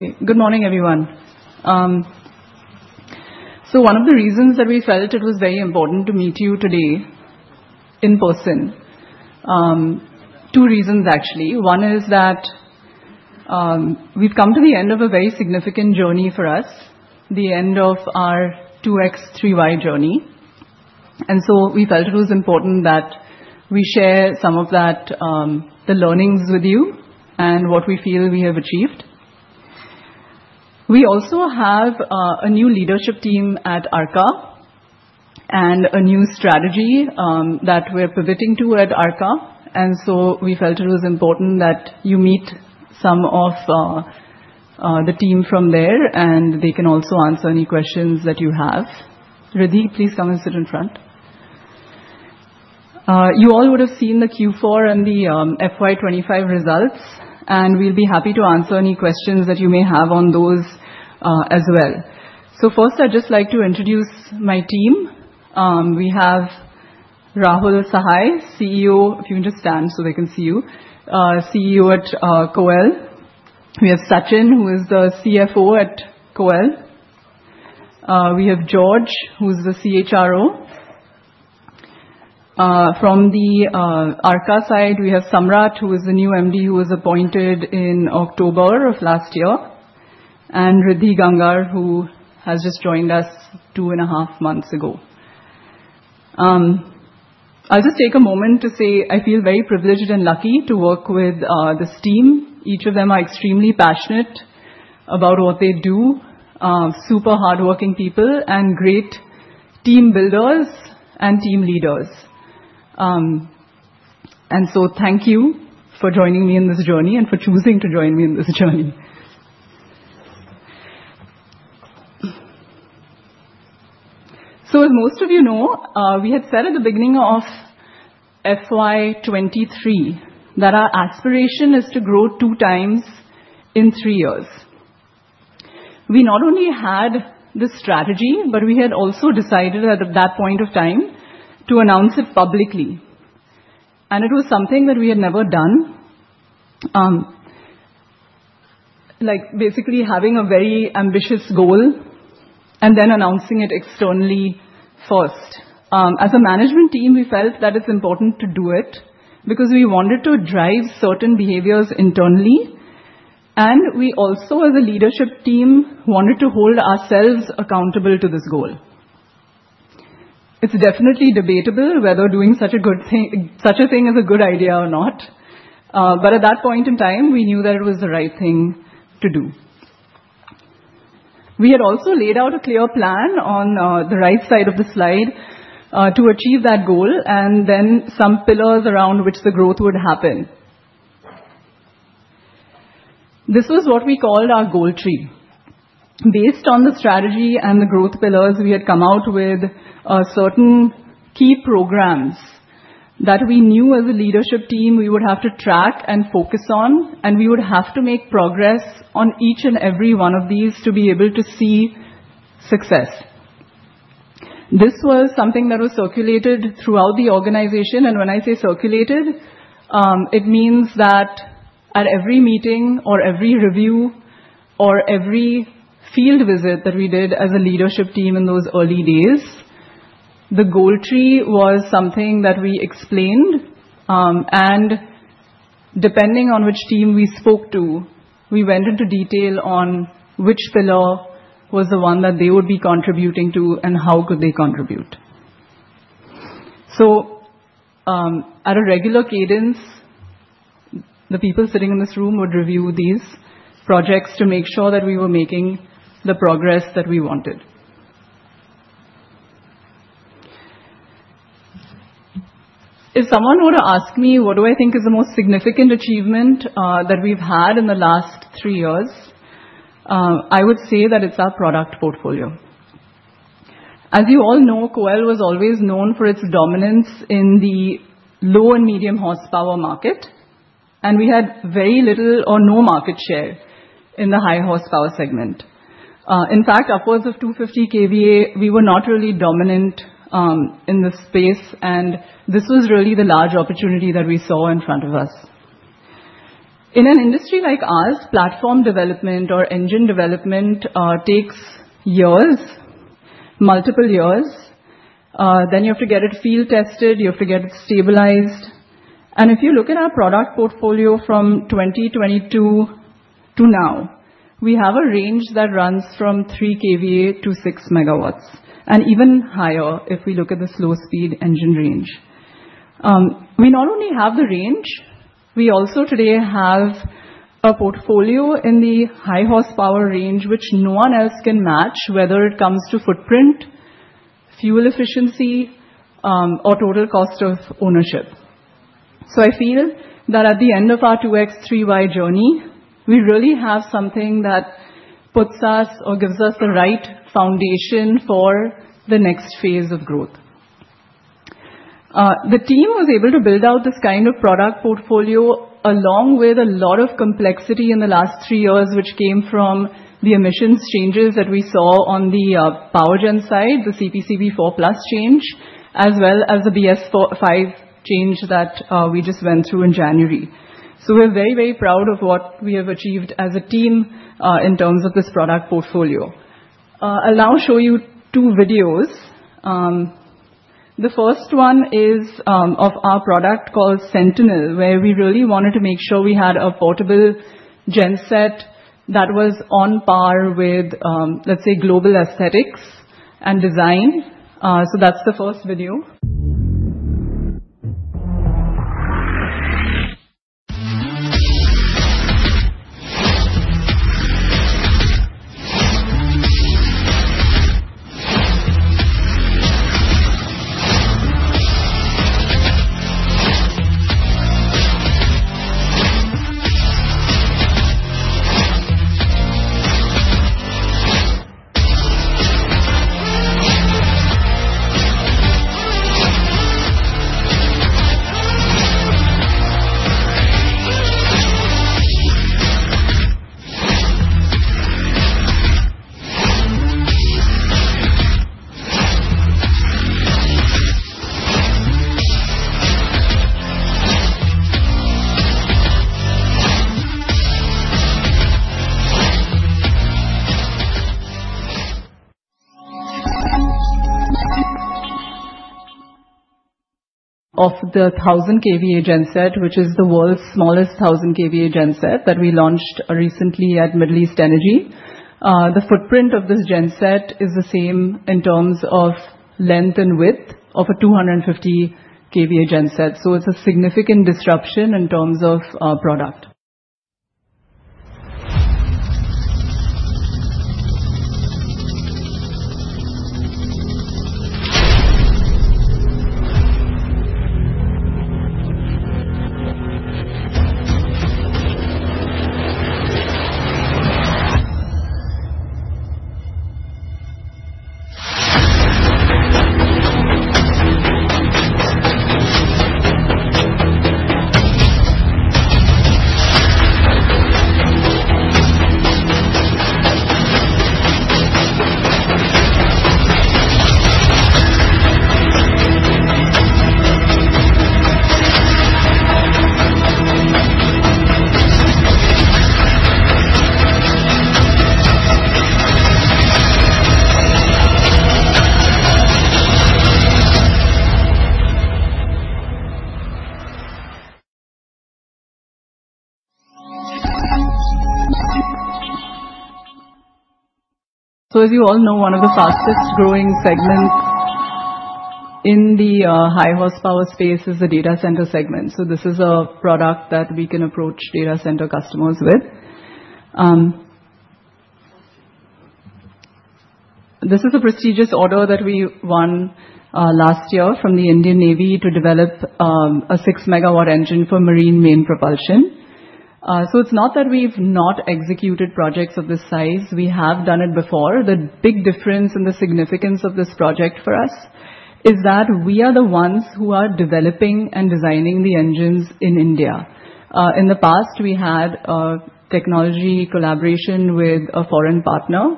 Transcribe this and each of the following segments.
Good morning, everyone. So one of the reasons that we felt it was very important to meet you today in person, two reasons actually. One is that, we've come to the end of a very significant journey for us, the end of our 2X3Y journey. And so we felt it was important that we share some of that, the learnings with you and what we feel we have achieved. We also have, a new leadership team at ARKA and a new strategy, that we're pivoting to at ARKA. And so we felt it was important that you meet some of, the team from there, and they can also answer any questions that you have. Riddhi, please come and sit in front. You all would have seen the Q4 and the FY25 results, and we'll be happy to answer any questions that you may have on those, as well. So first, I'd just like to introduce my team. We have Rahul Sahai, CEO. If you can just stand so they can see you, CEO at KOEL. We have Sachin, who is the CFO at KOEL. We have George, who's the CHRO. From the ARKA side, we have Samrat, who is the new MD who was appointed in October of last year, and Riddhi Gangar, who has just joined us two and a half months ago. I'll just take a moment to say I feel very privileged and lucky to work with this team. Each of them are extremely passionate about what they do, super hardworking people and great team builders and team leaders. And so thank you for joining me in this journey and for choosing to join me in this journey. So, as most of you know, we had said at the beginning of FY23 that our aspiration is to grow two times in three years. We not only had this strategy, but we had also decided at that point of time to announce it publicly. And it was something that we had never done, like basically having a very ambitious goal and then announcing it externally first. As a management team, we felt that it's important to do it because we wanted to drive certain behaviors internally. And we also, as a leadership team, wanted to hold ourselves accountable to this goal. It's definitely debatable whether doing such a good thing, such a thing is a good idea or not. But at that point in time, we knew that it was the right thing to do. We had also laid out a clear plan on the right side of the slide to achieve that goal and then some pillars around which the growth would happen. This was what we called our goal tree. Based on the strategy and the growth pillars, we had come out with certain key programs that we knew as a leadership team we would have to track and focus on, and we would have to make progress on each and every one of these to be able to see success. This was something that was circulated throughout the organization, and when I say circulated, it means that at every meeting or every review or every field visit that we did as a leadership team in those early days, the goal tree was something that we explained. And depending on which team we spoke to, we went into detail on which pillar was the one that they would be contributing to and how could they contribute. So, at a regular cadence, the people sitting in this room would review these projects to make sure that we were making the progress that we wanted. If someone were to ask me what do I think is the most significant achievement, that we've had in the last three years, I would say that it's our product portfolio. As you all know, KOEL was always known for its dominance in the low and medium horsepower market, and we had very little or no market share in the high horsepower segment. In fact, upwards of 250 kVA, we were not really dominant, in this space, and this was really the large opportunity that we saw in front of us. In an industry like ours, platform development or engine development takes years, multiple years, then you have to get it field tested. You have to get it stabilized, and if you look at our product portfolio from 2022 to now, we have a range that runs from 3 kVA to 6 MW and even higher if we look at the slow speed engine range, we not only have the range, we also today have a portfolio in the high horsepower range, which no one else can match whether it comes to footprint, fuel efficiency, or total cost of ownership, so I feel that at the end of our 2X3Y journey, we really have something that puts us or gives us the right foundation for the next phase of growth. The team was able to build out this kind of product portfolio along with a lot of complexity in the last three years, which came from the emissions changes that we saw on the power gen side, the CPCB IV+ change, as well as the BS V change that we just went through in January. So we're very, very proud of what we have achieved as a team, in terms of this product portfolio. I'll now show you two videos. The first one is of our product called Sentinel, where we really wanted to make sure we had a portable Genset that was on par with, let's say, global aesthetics and design. So that's the first video. Of the 1,000 kVA Genset, which is the world's smallest 1,000 kVA Genset that we launched recently at Middle East Energy, the footprint of this gen set is the same in terms of length and width of a 250 kVA Genset. So it's a significant disruption in terms of product. So, as you all know, one of the fastest growing segments in the high horsepower space is the data center segment. So this is a product that we can approach data center customers with. This is a prestigious order that we won last year from the Indian Navy to develop a 6 MW engine for marine main propulsion. So it's not that we've not executed projects of this size. We have done it before. The big difference in the significance of this project for us is that we are the ones who are developing and designing the engines in India. In the past, we had technology collaboration with a foreign partner,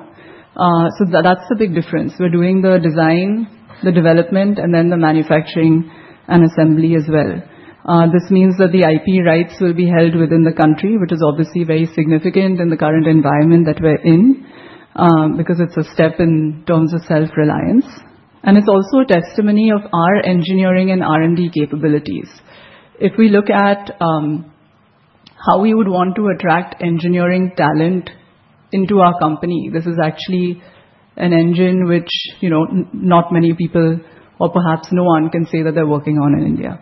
so that's the big difference. We're doing the design, the development, and then the manufacturing and assembly as well. This means that the IP rights will be held within the country, which is obviously very significant in the current environment that we're in, because it's a step in terms of self-reliance, and it's also a testimony of our engineering and R&D capabilities. If we look at how we would want to attract engineering talent into our company, this is actually an engine which, you know, not many people or perhaps no one can say that they're working on in India.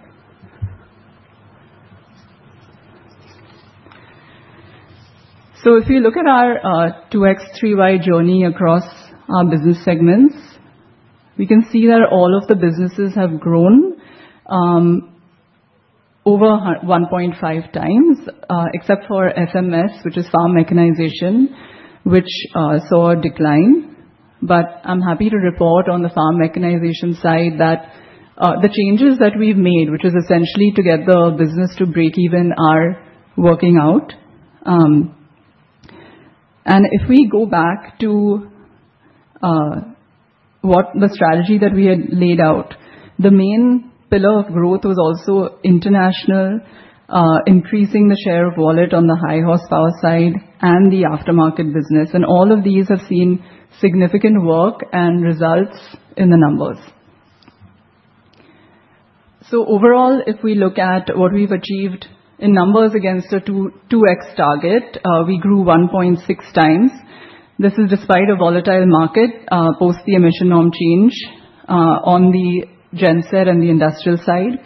So if we look at our 2X3Y journey across our business segments, we can see that all of the businesses have grown over 1.5 times, except for FMS, which is farm mechanization, which saw a decline, but I'm happy to report on the farm mechanization side that the changes that we've made, which is essentially to get the business to break even, are working out, and if we go back to what the strategy that we had laid out, the main pillar of growth was also international, increasing the share of wallet on the high horsepower side and the aftermarket business, and all of these have seen significant work and results in the numbers, so overall, if we look at what we've achieved in numbers against a 2X target, we grew 1.6 times. This is despite a volatile market, post the emission norm change, on the Genset and the industrial side,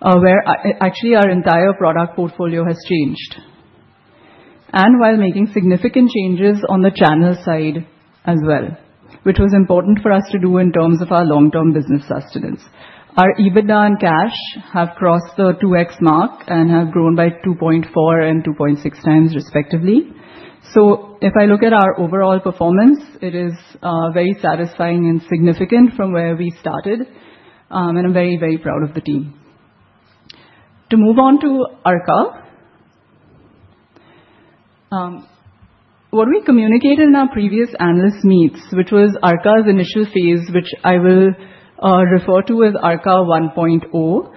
where actually our entire product portfolio has changed, and while making significant changes on the channel side as well, which was important for us to do in terms of our long-term business sustenance, our EBITDA and cash have crossed the 2X mark and have grown by 2.4 and 2.6 times respectively. So if I look at our overall performance, it is very satisfying and significant from where we started, and I'm very, very proud of the team. To move on to ARKA, what we communicated in our previous analyst meets, which was ARKA's initial phase, which I will refer to as ARKA 1.0,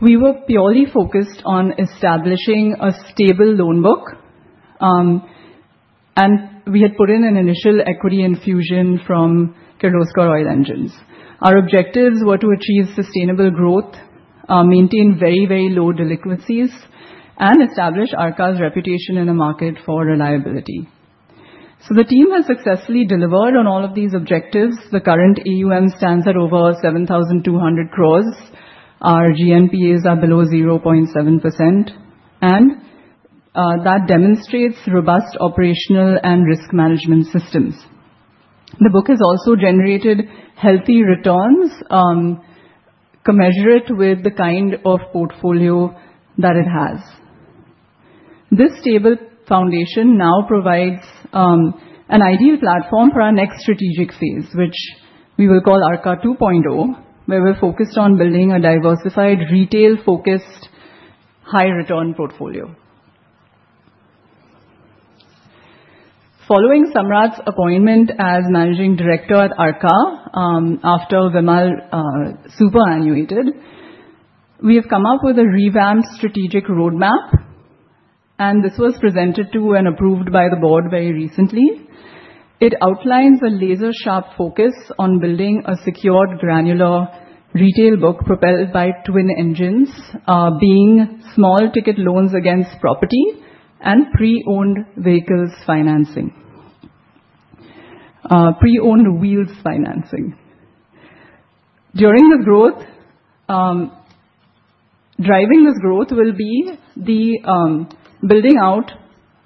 we were purely focused on establishing a stable loan book, and we had put in an initial equity infusion from Kirloskar Oil Engines. Our objectives were to achieve sustainable growth, maintain very, very low delinquencies, and establish ARKA's reputation in the market for reliability. So the team has successfully delivered on all of these objectives. The current AUM stands at over 7,200 crores. Our GNPAs are below 0.7%, and that demonstrates robust operational and risk management systems. The book has also generated healthy returns, commensurate with the kind of portfolio that it has. This stable foundation now provides an ideal platform for our next strategic phase, which we will call ARKA 2.0, where we're focused on building a diversified retail-focused high-return portfolio. Following Samrat's appointment as managing director at ARKA, after Vimal superannuated, we have come up with a revamped strategic roadmap, and this was presented to and approved by the board very recently. It outlines a laser-sharp focus on building a secured granular retail book propelled by twin engines, being small ticket loans against property and pre-owned wheels financing. During this growth, driving this growth will be building out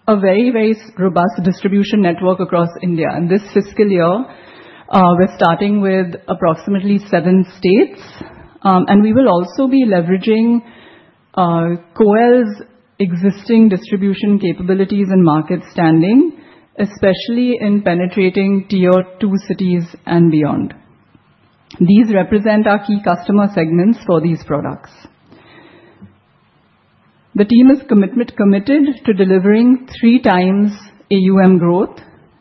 a very, very robust distribution network across India. This fiscal year, we're starting with approximately seven states, and we will also be leveraging KOEL's existing distribution capabilities and market standing, especially in penetrating tier two cities and beyond. These represent our key customer segments for these products. The team is committed to delivering three times AUM growth,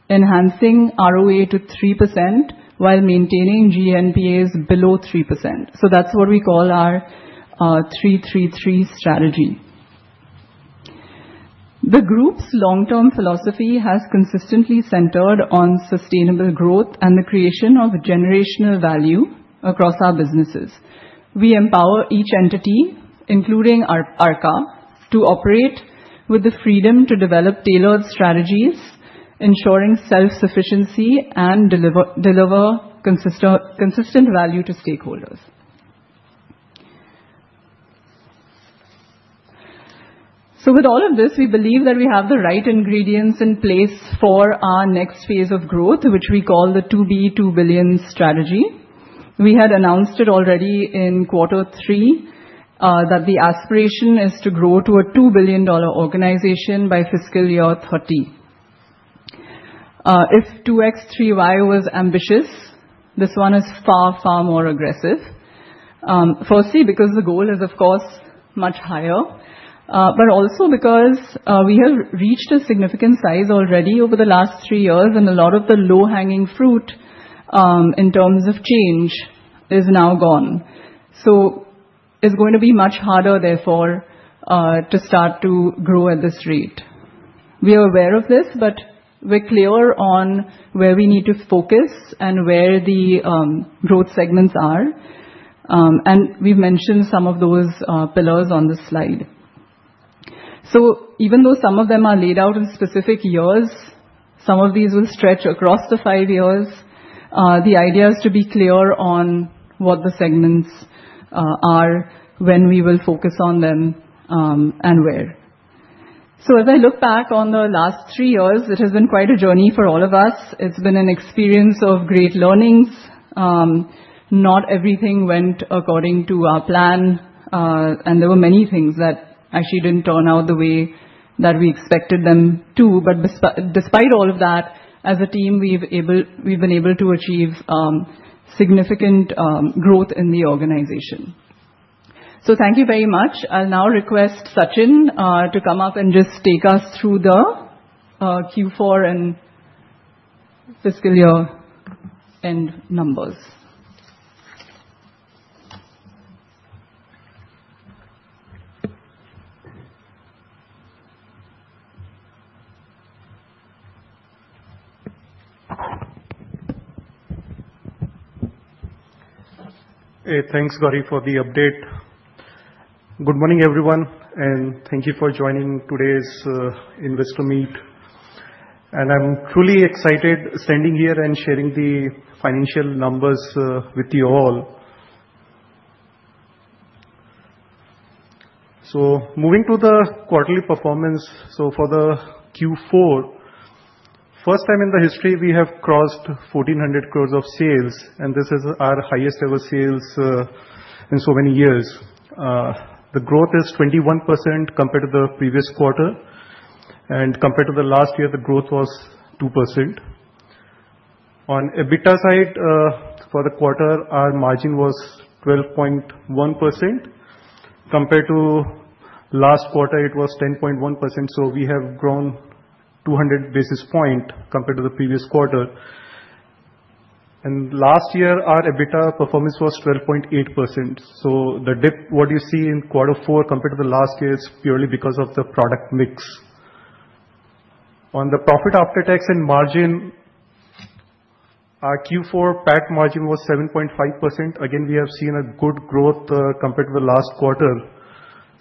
enhancing ROA to 3% while maintaining GNPAs below 3%. That's what we call our 3-3-3 strategy. The group's long-term philosophy has consistently centered on sustainable growth and the creation of generational value across our businesses. We empower each entity, including ARKA, to operate with the freedom to develop tailored strategies, ensuring self-sufficiency and deliver consistent value to stakeholders. So with all of this, we believe that we have the right ingredients in place for our next phase of growth, which we call the 2B, 2 billion strategy. We had announced it already in quarter three, that the aspiration is to grow to a $2 billion organization by fiscal year 2030. If 2X3Y was ambitious, this one is far, far more aggressive. Firstly, because the goal is, of course, much higher, but also because, we have reached a significant size already over the last three years, and a lot of the low-hanging fruit, in terms of change is now gone. So it's going to be much harder, therefore, to start to grow at this rate. We are aware of this, but we're clear on where we need to focus and where the growth segments are. And we've mentioned some of those pillars on this slide. So even though some of them are laid out in specific years, some of these will stretch across the five years. The idea is to be clear on what the segments are, when we will focus on them, and where. So as I look back on the last three years, it has been quite a journey for all of us. It's been an experience of great learnings. Not everything went according to our plan, and there were many things that actually didn't turn out the way that we expected them to. But despite all of that, as a team, we've been able to achieve significant growth in the organization. So thank you very much. I'll now request Sachin to come up and just take us through the Q4 and fiscal year end numbers. Hey, thanks, Gauri, for the update. Good morning, everyone, and thank you for joining today's investor meet. And I'm truly excited standing here and sharing the financial numbers with you all. So moving to the quarterly performance, so for the Q4, first time in the history, we have crossed 1,400 crores of sales, and this is our highest ever sales in so many years. The growth is 21% compared to the previous quarter, and compared to the last year, the growth was 2%. On EBITDA side, for the quarter, our margin was 12.1%. Compared to last quarter, it was 10.1%. So we have grown 200 basis points compared to the previous quarter. And last year, our EBITDA performance was 12.8%. So the dip, what you see in quarter four compared to the last year, it's purely because of the product mix. On the profit after tax and margin, our Q4 PAT margin was 7.5%. Again, we have seen a good growth, compared to the last quarter.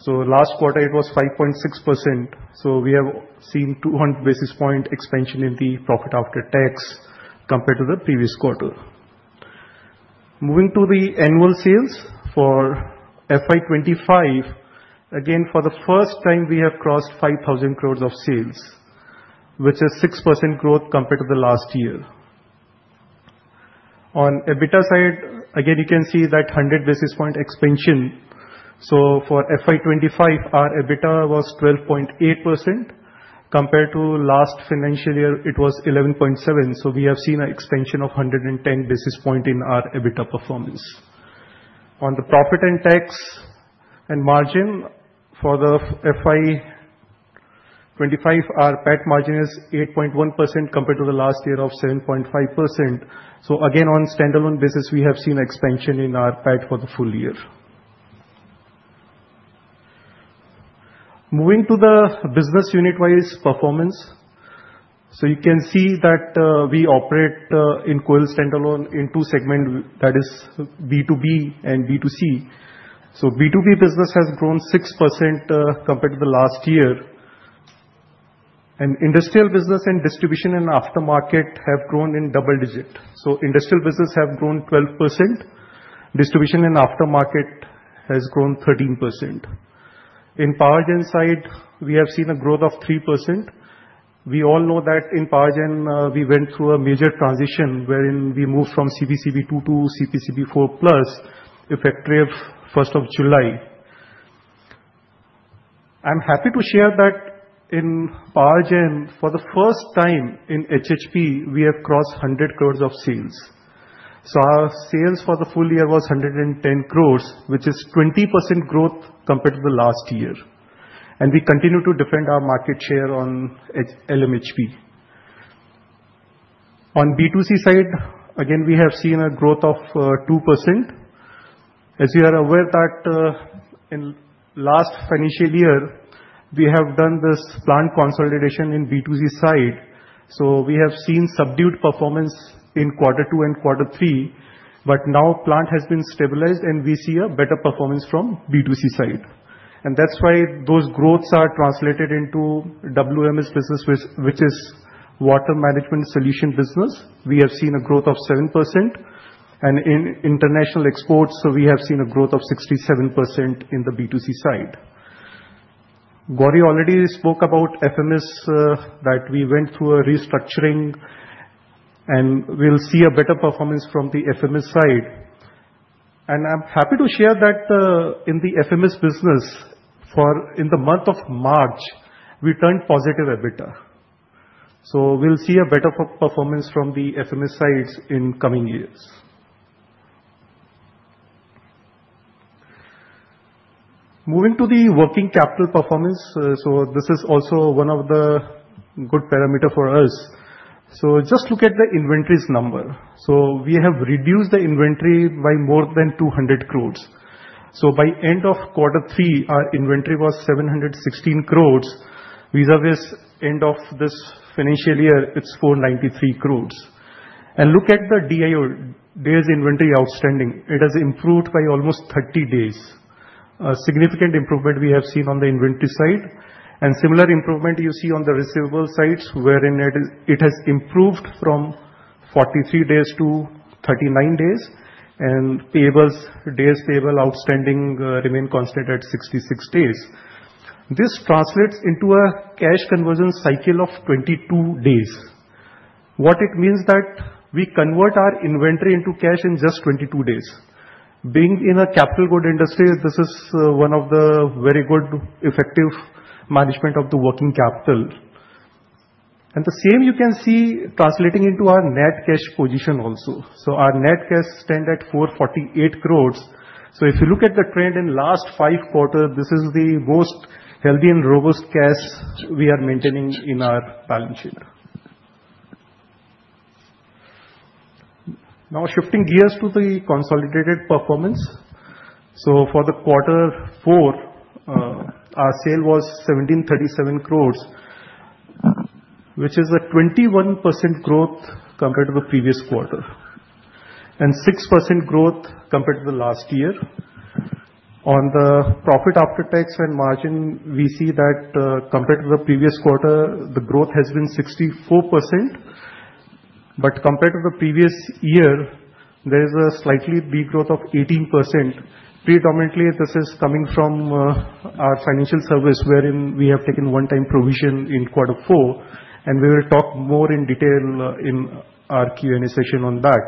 So last quarter, it was 5.6%. So we have seen 200 basis points expansion in the profit after tax compared to the previous quarter. Moving to the annual sales for FY25, again, for the first time, we have crossed 5,000 crores of sales, which is 6% growth compared to the last year. On EBITDA side, again, you can see that 100 basis point expansion. So for FY25, our EBITDA was 12.8%. Compared to last financial year, it was 11.7%. So we have seen an expansion of 110 basis points in our EBITDA performance. On the profit and tax and margin, for the FY25, our PBT margin is 8.1% compared to the last year of 7.5%. So again, on standalone basis, we have seen expansion in our PBT for the full year. Moving to the business unit-wise performance, so you can see that, we operate, in KOEL standalone in two segments, that is B2B and B2C. So B2B business has grown 6%, compared to the last year. And industrial business and distribution and aftermarket have grown in double digits. So industrial business has grown 12%. Distribution and aftermarket has grown 13%. In power gen side, we have seen a growth of 3%. We all know that in power gen, we went through a major transition wherein we moved from CPCB II to CPCB IV+ effective 1st of July. I'm happy to share that in power gen, for the first time in HHP, we have crossed 100 crores of sales. So our sales for the full year was 110 crores, which is 20% growth compared to the last year. And we continue to defend our market share on LMHP. On B2C side, again, we have seen a growth of 2%. As you are aware that, in last financial year, we have done this plant consolidation in B2C side. So we have seen subdued performance in quarter two and quarter three, but now plant has been stabilized and we see a better performance from B2C side. And that's why those growths are translated into WMS business, which is water management solution business. We have seen a growth of 7%. And in international exports, we have seen a growth of 67% in the B2C side. Gauri already spoke about FMS, that we went through a restructuring and we'll see a better performance from the FMS side. And I'm happy to share that, in the FMS business, in the month of March, we turned positive EBITDA. So we'll see a better performance from the FMS sides in coming years. Moving to the working capital performance, so this is also one of the good parameters for us. So just look at the inventories number. So we have reduced the inventory by more than 200 crores. So by end of quarter three, our inventory was 716 crores. Vis-à-vis end of this financial year, it's 493 crores. And look at the DIO, days inventory outstanding. It has improved by almost 30 days. A significant improvement we have seen on the inventory side. And similar improvement you see on the receivable sides, wherein it has improved from 43 days - 39 days. And payables, days payable outstanding, remain constant at 66 days. This translates into a cash conversion cycle of 22 days. What it means is that we convert our inventory into cash in just 22 days. Being in a capital goods industry, this is one of the very good effective management of the working capital. And the same you can see translating into our net cash position also. So our net cash stands at 448 crores. So if you look at the trend in last five quarters, this is the most healthy and robust cash we are maintaining in our balance sheet. Now shifting gears to the consolidated performance. So for the quarter four, our sales was 1,737 crores, which is a 21% growth compared to the previous quarter and 6% growth compared to the last year. On the profit after tax and margin, we see that, compared to the previous quarter, the growth has been 64%. But compared to the previous year, there is a slightly big growth of 18%. Predominantly, this is coming from our financial service, wherein we have taken one-time provision in quarter four. And we will talk more in detail in our Q&A session on that.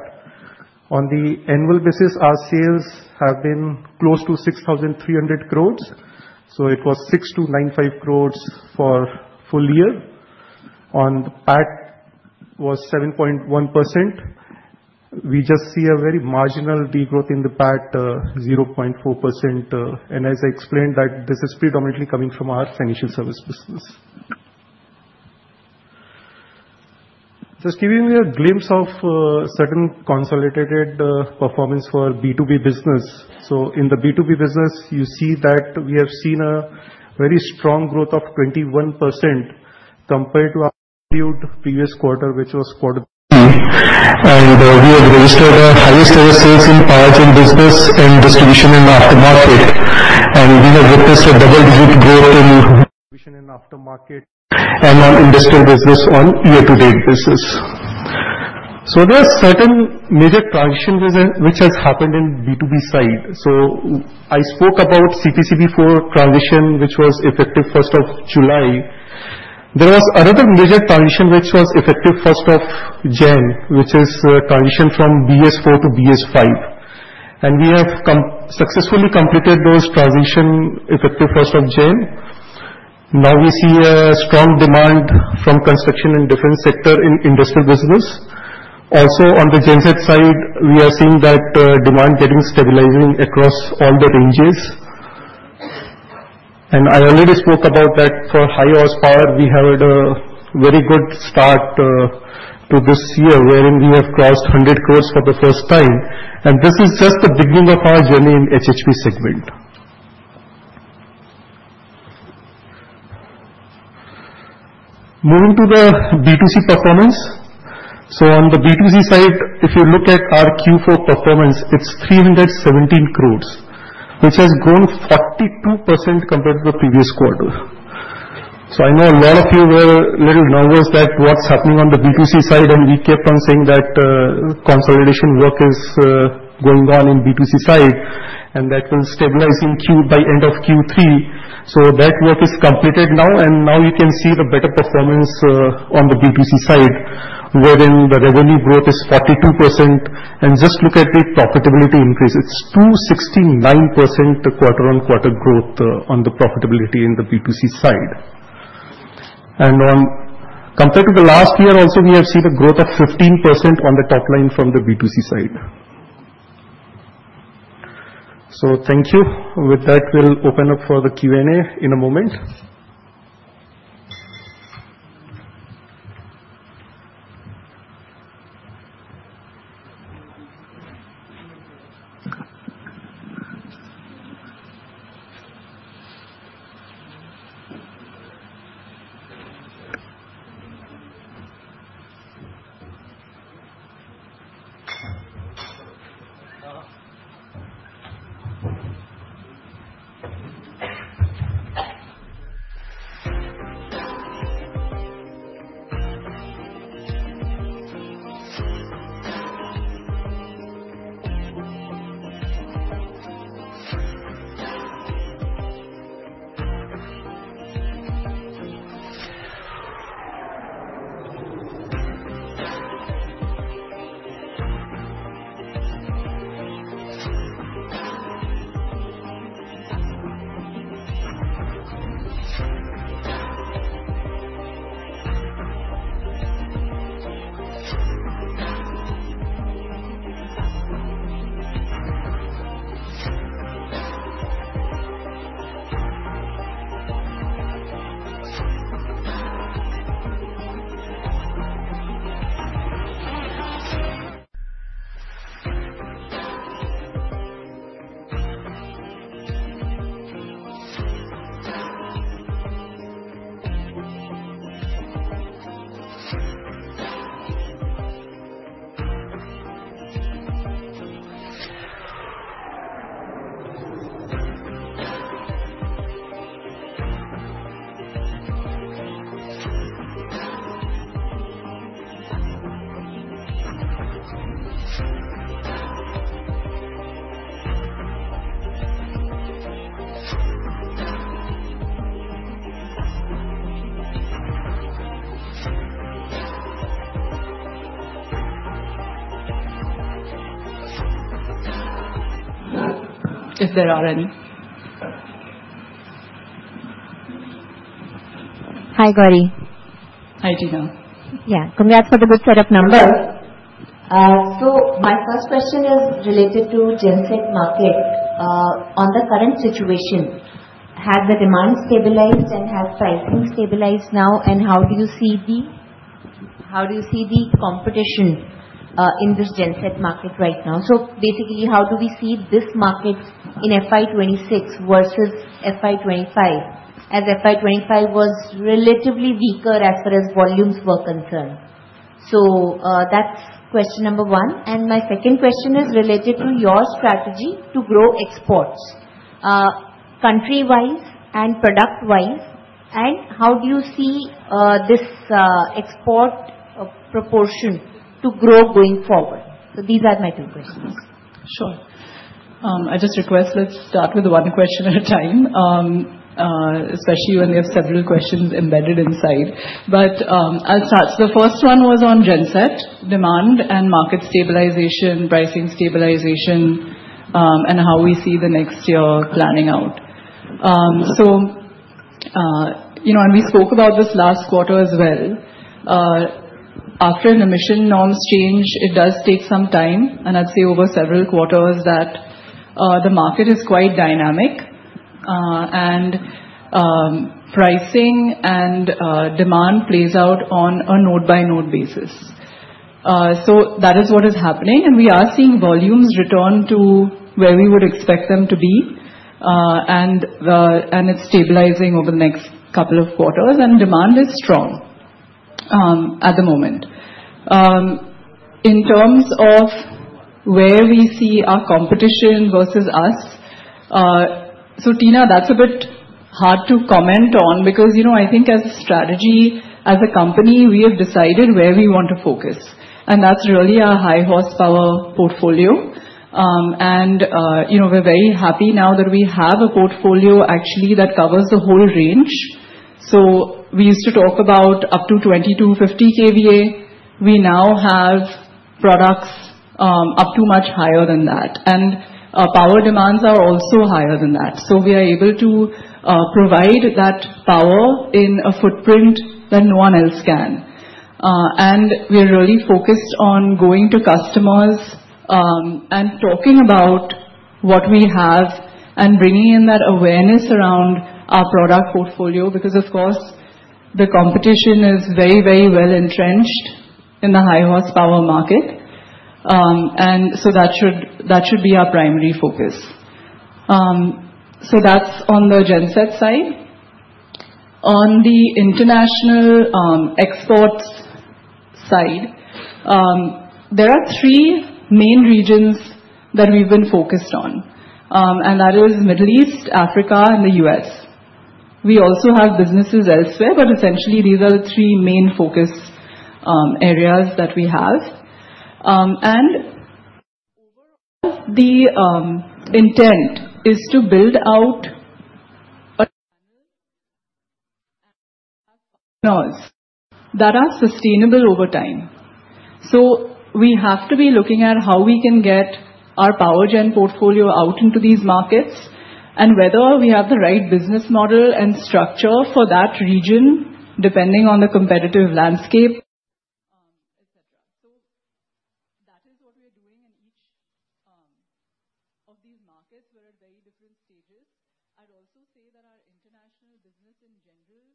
On the annual basis, our sales have been close to 6,300 crores. So it was 6,295 crores for full year. On the PAT, it was 7.1%. We just see a very marginal degrowth in the PAT, 0.4%. And as I explained, that this is predominantly coming from our financial service business. Just giving you a glimpse of certain consolidated performance for B2B business. So in the B2B business, you see that we have seen a very strong growth of 21% compared to our previous quarter, which was quarter three. And we have registered the highest ever sales in power gen business and distribution and aftermarket. And we have witnessed a double-digit growth in distribution and aftermarket and on industrial business on year-to-date basis. So there are certain major transitions which have happened in B2B side. So I spoke about CPCB IV+ transition, which was effective 1st of July. There was another major transition which was effective 1st of January, which is a transition from BS IV to BS V. And we have successfully completed those transitions effective 1st of January. Now we see a strong demand from construction and different sectors in industrial business. Also, on the genset side, we are seeing that demand is getting stabilizing across all the ranges. I already spoke about that for high horsepower. We had a very good start to this year, wherein we have crossed 100 crores for the first time. This is just the beginning of our journey in the HHP segment. Moving to the B2C performance. On the B2C side, if you look at our Q4 performance, it's 317 crores, which has grown 42% compared to the previous quarter. I know a lot of you were a little nervous that what's happening on the B2C side, and we kept on saying that consolidation work is going on in the B2C side, and that will stabilize in Q by the end of Q3. So that work is completed now, and now you can see the better performance on the B2C side, wherein the revenue growth is 42%. And just look at the profitability increase. It's 269% quarter-on-quarter growth on the profitability in the B2C side. And compared to the last year, also, we have seen a growth of 15% on the top line from the B2C side. So thank you. With that, we'll open up for the Q&A in a moment. Is there already? Hi, Gauri. Hi, Tina. Yeah, congrats for the good setup number. So my first question is related to Genset market. On the current situation, has the demand stabilized and has pricing stabilized now? And how do you see the, how do you see the competition in this Genset market right now? So basically, how do we see this market in FY26 versus FY25? As FY25 was relatively weaker as far as volumes were concerned. So, that's question number one. And my second question is related to your strategy to grow exports, country-wise and product-wise. And how do you see this export proportion to grow going forward? So these are my two questions. Sure. I just request let's start with one question at a time, especially when there are several questions embedded inside. But, I'll start. So the first one was on Genset demand and market stabilization, pricing stabilization, and how we see the next year planning out. So, you know, and we spoke about this last quarter as well. After an emission norms change, it does take some time. And I'd say over several quarters that the market is quite dynamic, and pricing and demand plays out on a note-by-note basis. So that is what is happening. And we are seeing volumes return to where we would expect them to be. And it's stabilizing over the next couple of quarters. And demand is strong, at the moment. In terms of where we see our competition versus us, so Tina, that's a bit hard to comment on because, you know, I think as a strategy, as a company, we have decided where we want to focus. And that's really our high horsepower portfolio. And, you know, we're very happy now that we have a portfolio actually that covers the whole range. So we used to talk about up to 22 kVA - 50 kVA. We now have products, up to much higher than that. And, power demands are also higher than that. So we are able to provide that power in a footprint that no one else can. And we are really focused on going to customers, and talking about what we have and bringing in that awareness around our product portfolio because, of course, the competition is very, very well entrenched in the high horsepower market. So that should be our primary focus. So that's on the Genset side. On the international exports side, there are three main regions that we've been focused on, and that is Middle East, Africa, and the U.S. We also have businesses elsewhere, but essentially these are the three main focus areas that we have. And overall, the intent is to build out a channel and have partners that are sustainable over time. So we have to be looking at how we can get our power gen portfolio out into these markets and whether we have the right business model and structure for that region, depending on the competitive landscape, etc. So that is what we are doing in each of these markets. We're at very different stages. I'd also say that our international business in general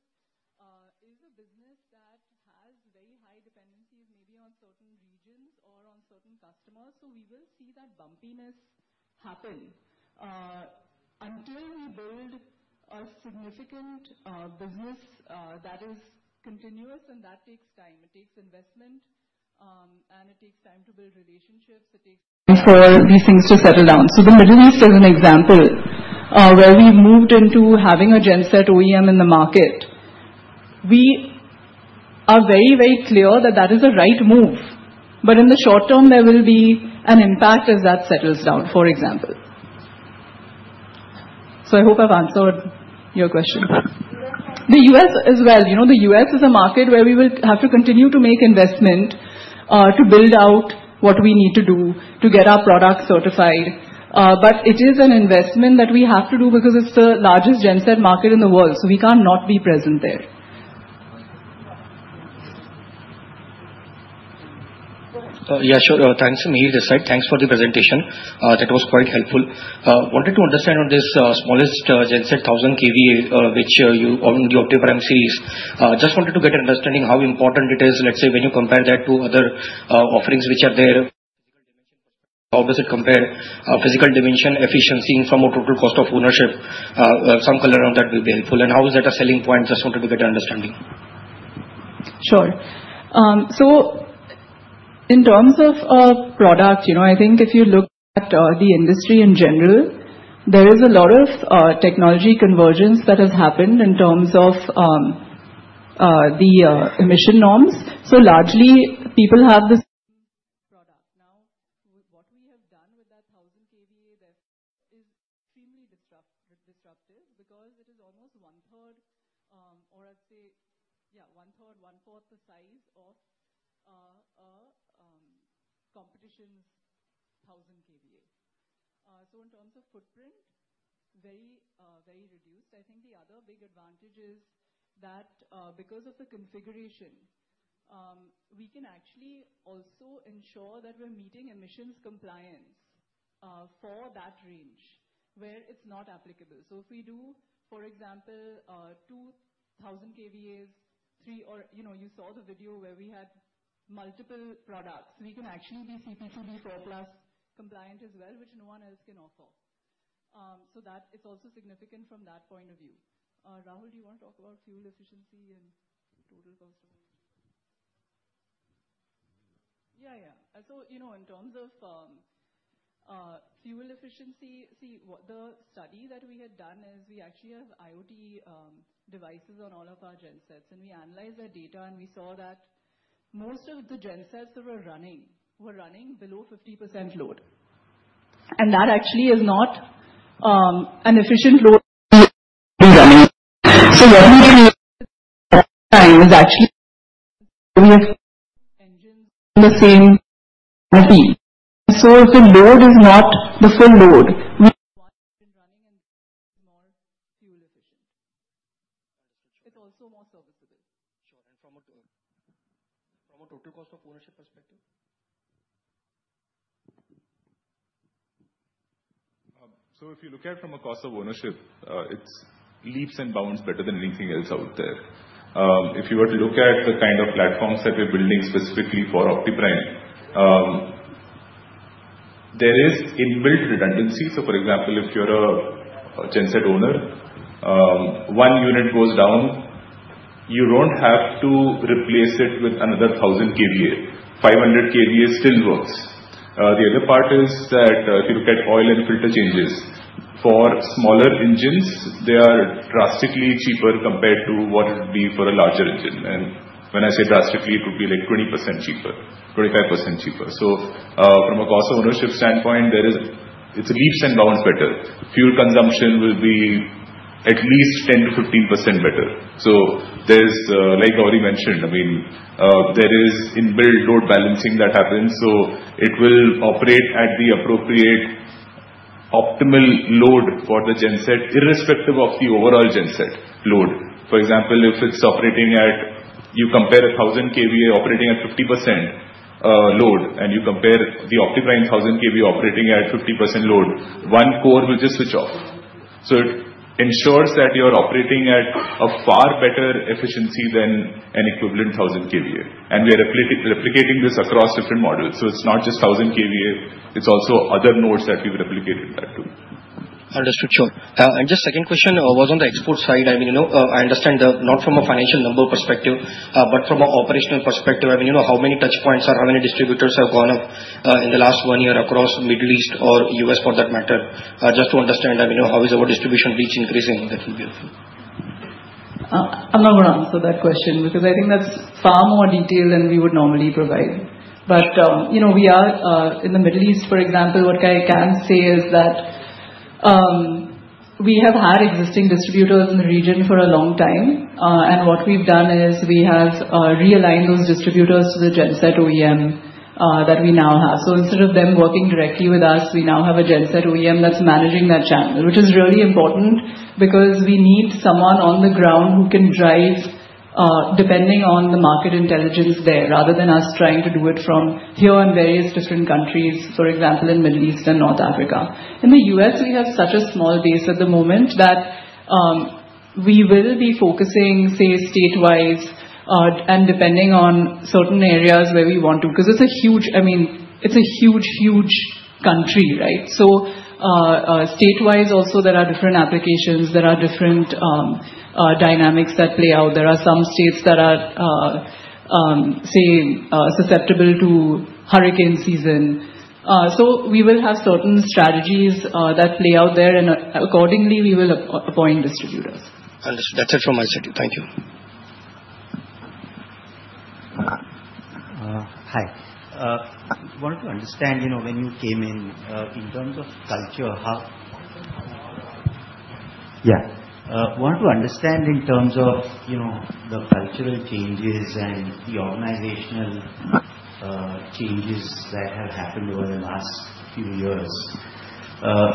is a business that has very high dependencies maybe on certain regions or on certain customers. So we will see that bumpiness happen, until we build a significant business that is continuous and that takes time. It takes investment, and it takes time to build relationships. It takes time for these things to settle down. So the Middle East is an example, where we moved into having a Genset OEM in the market. We are very, very clear that that is a right move. But in the short term, there will be an impact as that settles down, for example. So I hope I've answered your question. The U.S. as well. You know, the U.S. is a market where we will have to continue to make investment, to build out what we need to do to get our product certified. But it is an investment that we have to do because it's the largest Genset market in the world. So we can't not be present there. Yeah, sure. Thanks, Mahir this side. Thanks for the presentation. That was quite helpful. Wanted to understand on this, smallest Genset 1,000 kVA, which, you opted for M-Series. Just wanted to get an understanding how important it is, let's say, when you compare that to other offerings which are there. How does it compare, physical dimension, efficiency from a total cost of ownership? Some color on that will be helpful, and how is that a selling point? Just wanted to get an understanding. Sure. So in terms of product, you know, I think if you look at the industry in general, there is a lot of technology convergence that has happened in terms of the emission norms. So largely, people have this product. Now, what we have done with that 1,000 kVA there is extremely disruptive because it is almost 1/3, or I'd say, yeah, 1/3, 1/4 the size of competition's 1,000 kVA. So in terms of footprint, very, very reduced. I think the other big advantage is that, because of the configuration, we can actually also ensure that we're meeting emissions compliance for that range where it's not applicable. So if we do, for example, two 1,000 kVA, three or, you know, you saw the video where we had multiple products, we can actually be CPCB IV+ compliant as well, which no one else can offer, so that it's also significant from that point of view. Rahul, do you want to talk about fuel efficiency and total cost of ownership? Yeah, yeah. So, you know, in terms of fuel efficiency, see, what the study that we had done is we actually have IoT devices on all of our Gensets, and we analyzed that data, and we saw that most of the Gensets that were running were running below 50% load. And that actually is not an efficient load. So what we created that time is actually we have engines in the same IoT. So if the load is not the full load, we want it running and more fuel efficient. It's also more serviceable. Sure. And from a total—from a total cost of ownership perspective? So if you look at it from a cost of ownership, it's leaps and bounds better than anything else out there. If you were to look at the kind of platforms that we're building specifically for Optiprime, there is inbuilt redundancy. So, for example, if you're a Genset owner, one unit goes down, you don't have to replace it with another 1,000 kVA. 500 kVA still works. The other part is that, if you look at oil and filter changes, for smaller engines, they are drastically cheaper compared to what it would be for a larger engine. And when I say drastically, it would be like 20% cheaper, 25% cheaper. So, from a cost of ownership standpoint, there is, it's leaps and bounds better. Fuel consumption will be at least 10%-15% better. So there's, like Gauri mentioned, I mean, there is inbuilt load balancing that happens. So it will operate at the appropriate optimal load for the Genset, irrespective of the overall Genset load. For example, if it's operating at - you compare a 1,000 kVA operating at 50% load, and you compare the Optiprime 1,000 kVA operating at 50% load, one core will just switch off. So it ensures that you're operating at a far better efficiency than an equivalent 1,000 kVA. And we are replicating this across different models. So it's not just 1,000 kVA. It's also other nodes that we've replicated that too. Understood. Sure. And just second question, was on the export side. I mean, you know, I understand the - not from a financial number perspective, but from an operational perspective. I mean, you know, how many touch points or how many distributors have gone up, in the last one year across Middle East or U.S. for that matter? Just to understand, I mean, you know, how is our distribution reach increasing? That would be helpful. I'm not going to answer that question because I think that's far more detailed than we would normally provide, but you know, we are, in the Middle East, for example, what I can say is that, we have had existing distributors in the region for a long time, and what we've done is we have realigned those distributors to the Genset OEM that we now have. So instead of them working directly with us, we now have a Genset OEM that's managing that channel, which is really important because we need someone on the ground who can drive, depending on the market intelligence there, rather than us trying to do it from here on various different countries, for example, in Middle East and North Africa. In the U.S., we have such a small base at the moment that, we will be focusing, say, state-wise, and depending on certain areas where we want to, because it's a huge, I mean, it's a huge, huge country, right? So, state-wise also, there are different applications, there are different, dynamics that play out. There are some states that are, say, susceptible to hurricane season. So we will have certain strategies, that play out there, and accordingly, we will appoint distributors. Understood. That's it from my side. Thank you. Hi, I wanted to understand in terms of, you know, the cultural changes and the organizational changes that have happened over the last few years.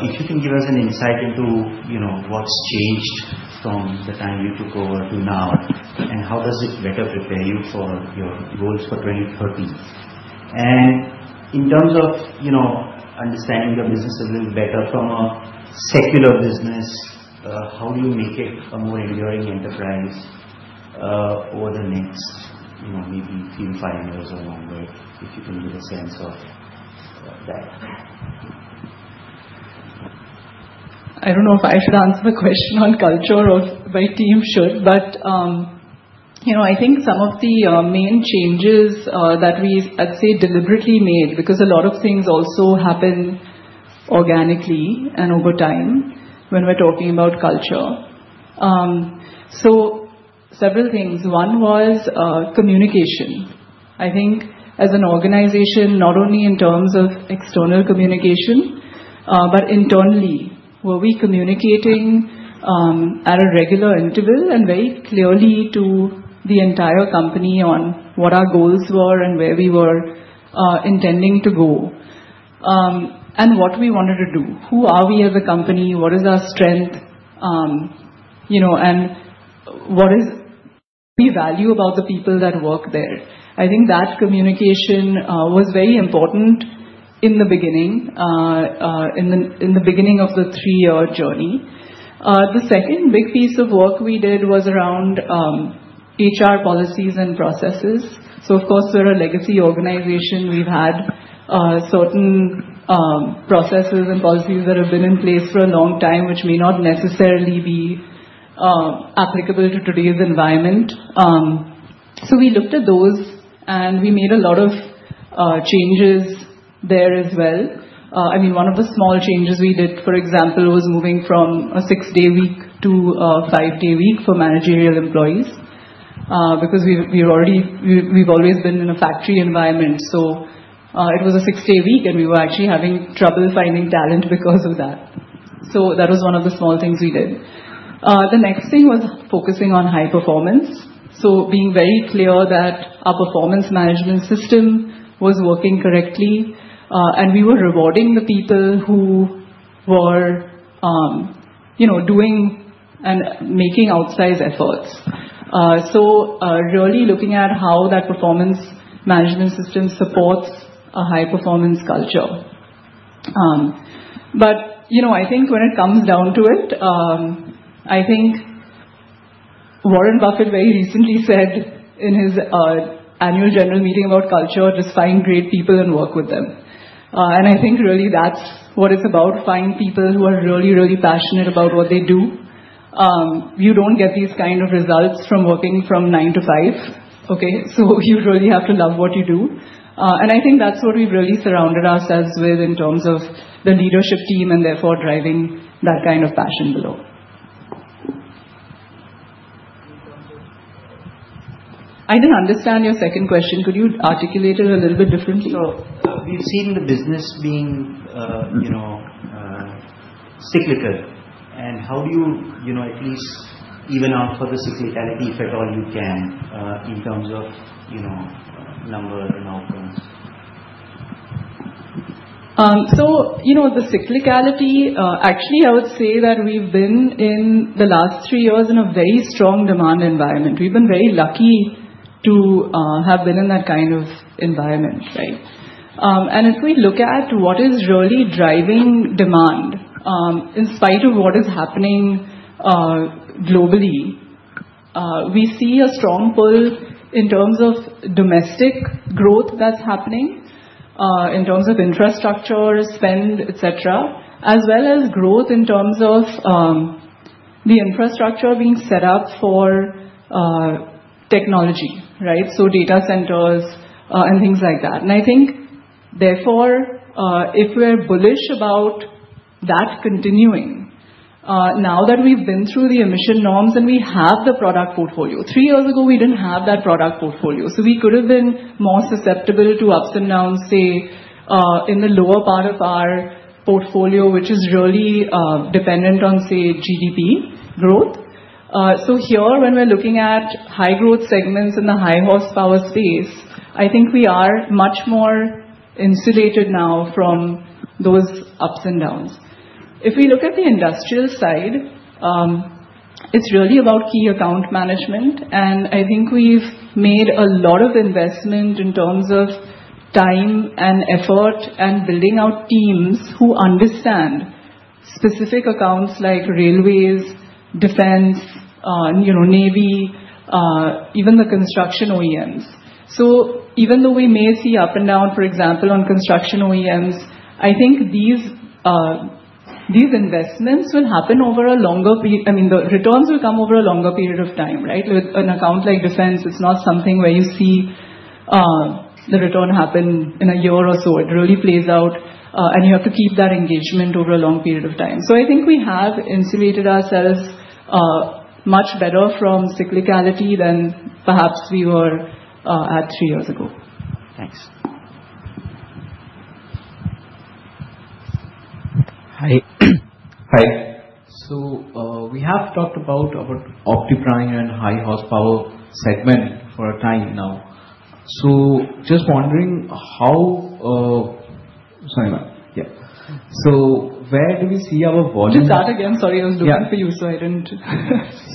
If you can give us an insight into, you know, what's changed from the time you took over to now, and how does it better prepare you for your goals for 2030? And in terms of, you know, understanding your business a little better from a secular business, how do you make it a more enduring enterprise over the next, you know, maybe three years - five years or longer, if you can give a sense of that? I don't know if I should answer the question on culture or my team should, but, you know, I think some of the, main changes, that we, I'd say, deliberately made, because a lot of things also happen organically and over time when we're talking about culture. So several things. One was, communication. I think as an organization, not only in terms of external communication, but internally, were we communicating, at a regular interval and very clearly to the entire company on what our goals were and where we were, intending to go, and what we wanted to do. Who are we as a company? What is our strength? You know, and what it is we value about the people that work there? I think that communication, was very important in the beginning of the three-year journey. The second big piece of work we did was around HR policies and processes. So, of course, we're a legacy organization. We've had certain processes and policies that have been in place for a long time, which may not necessarily be applicable to today's environment. So we looked at those and we made a lot of changes there as well. I mean, one of the small changes we did, for example, was moving from a six-day week to a five-day week for managerial employees, because we were already, we've always been in a factory environment. So, it was a six-day week and we were actually having trouble finding talent because of that. So that was one of the small things we did. The next thing was focusing on high performance. So being very clear that our performance management system was working correctly, and we were rewarding the people who were, you know, doing and making outsized efforts. So, really looking at how that performance management system supports a high performance culture. But, you know, I think when it comes down to it, I think Warren Buffett very recently said in his annual general meeting about culture, just find great people and work with them. And I think really that's what it's about: find people who are really, really passionate about what they do. You don't get these kind of results from working from nine to five, okay? So you really have to love what you do. And I think that's what we've really surrounded ourselves with in terms of the leadership team and therefore driving that kind of passion below. I didn't understand your second question. Could you articulate it a little bit differently? So we've seen the business being, you know, cyclical. And how do you, you know, at least even out for the cyclicality if at all you can, in terms of, you know, number and outcomes? So, you know, the cyclicality, actually, I would say that we've been in the last three years in a very strong demand environment. We've been very lucky to have been in that kind of environment, right? And if we look at what is really driving demand, in spite of what is happening globally, we see a strong pull in terms of domestic growth that's happening, in terms of infrastructure spend, etc., as well as growth in terms of the infrastructure being set up for technology, right? So data centers, and things like that. I think therefore, if we're bullish about that continuing, now that we've been through the emission norms and we have the product portfolio, three years ago we didn't have that product portfolio. So we could have been more susceptible to ups and downs, say, in the lower part of our portfolio, which is really, dependent on, say, GDP growth. So here when we're looking at high growth segments in the high horsepower space, I think we are much more insulated now from those ups and downs. If we look at the industrial side, it's really about key account management. I think we've made a lot of investment in terms of time and effort and building out teams who understand specific accounts like railways, defense, you know, navy, even the construction OEMs. So even though we may see up and down, for example, on construction OEMs, I think these investments will happen over a longer period. I mean, the returns will come over a longer period of time, right? With an account like defense, it's not something where you see the return happen in a year or so. It really plays out, and you have to keep that engagement over a long period of time. So I think we have insulated ourselves much better from cyclicality than perhaps we were at three years ago. Thanks. Hi. Hi. So we have talked about Optiprime and high horsepower segment for a time now. So just wondering how, sorry, ma'am. Yeah. So where do we see our volume? Just start again. Sorry, I was looking for you, so I didn't.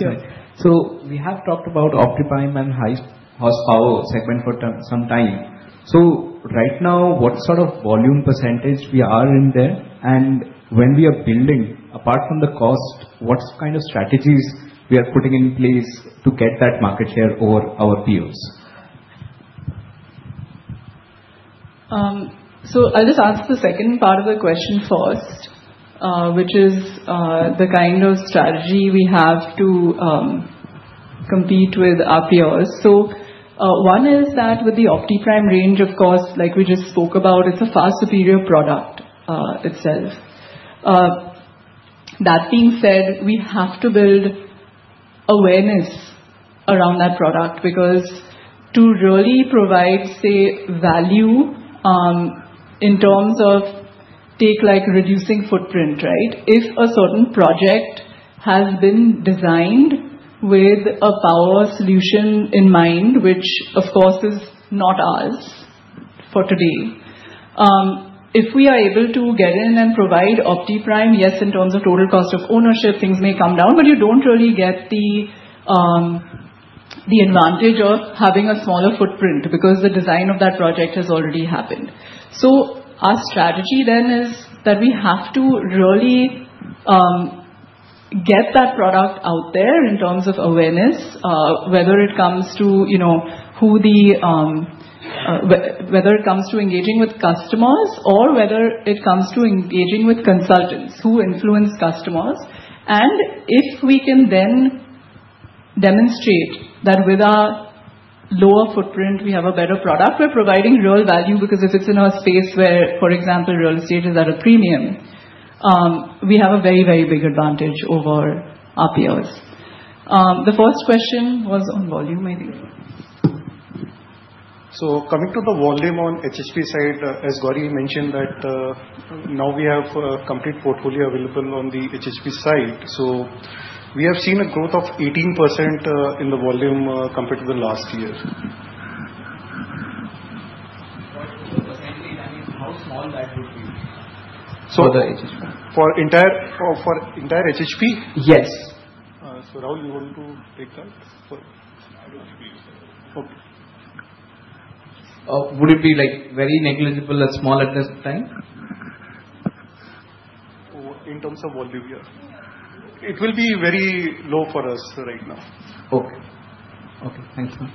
Yeah. So we have talked about Optiprime and high horsepower segment for some time. So right now, what sort of volume percentage we are in there? And when we are building, apart from the cost, what kind of strategies we are putting in place to get that market share over our peers? So, I'll just answer the second part of the question first, which is, the kind of strategy we have to, compete with our peers. So, one is that with the Optiprime range, of course, like we just spoke about, it's a far superior product, itself. That being said, we have to build awareness around that product because to really provide, say, value, in terms of, take like reducing footprint, right? If a certain project has been designed with a power solution in mind, which of course is not ours for today, if we are able to get in and provide Optiprime, yes, in terms of total cost of ownership, things may come down, but you don't really get the advantage of having a smaller footprint because the design of that project has already happened. So our strategy then is that we have to really get that product out there in terms of awareness, whether it comes to, you know, whether it comes to engaging with customers or whether it comes to engaging with consultants who influence customers. And if we can then demonstrate that with our lower footprint, we have a better product, we're providing real value because if it's in a space where, for example, real estate is at a premium, we have a very, very big advantage over our peers. The first question was on volume, I think. So coming to the volume on HHP side, as Gauri mentioned, that now we have a complete portfolio available on the HHP side. So we have seen a growth of 18% in the volume compared to the last year. What was the percentage? I mean, how small that would be? So for the HHP? For entire, for entire HHP? Yes. So Rahul, you want to take that? Okay. Would it be like very negligible at small at this time? In terms of volume, yeah. It will be very low for us right now. Okay. Okay. Thank you.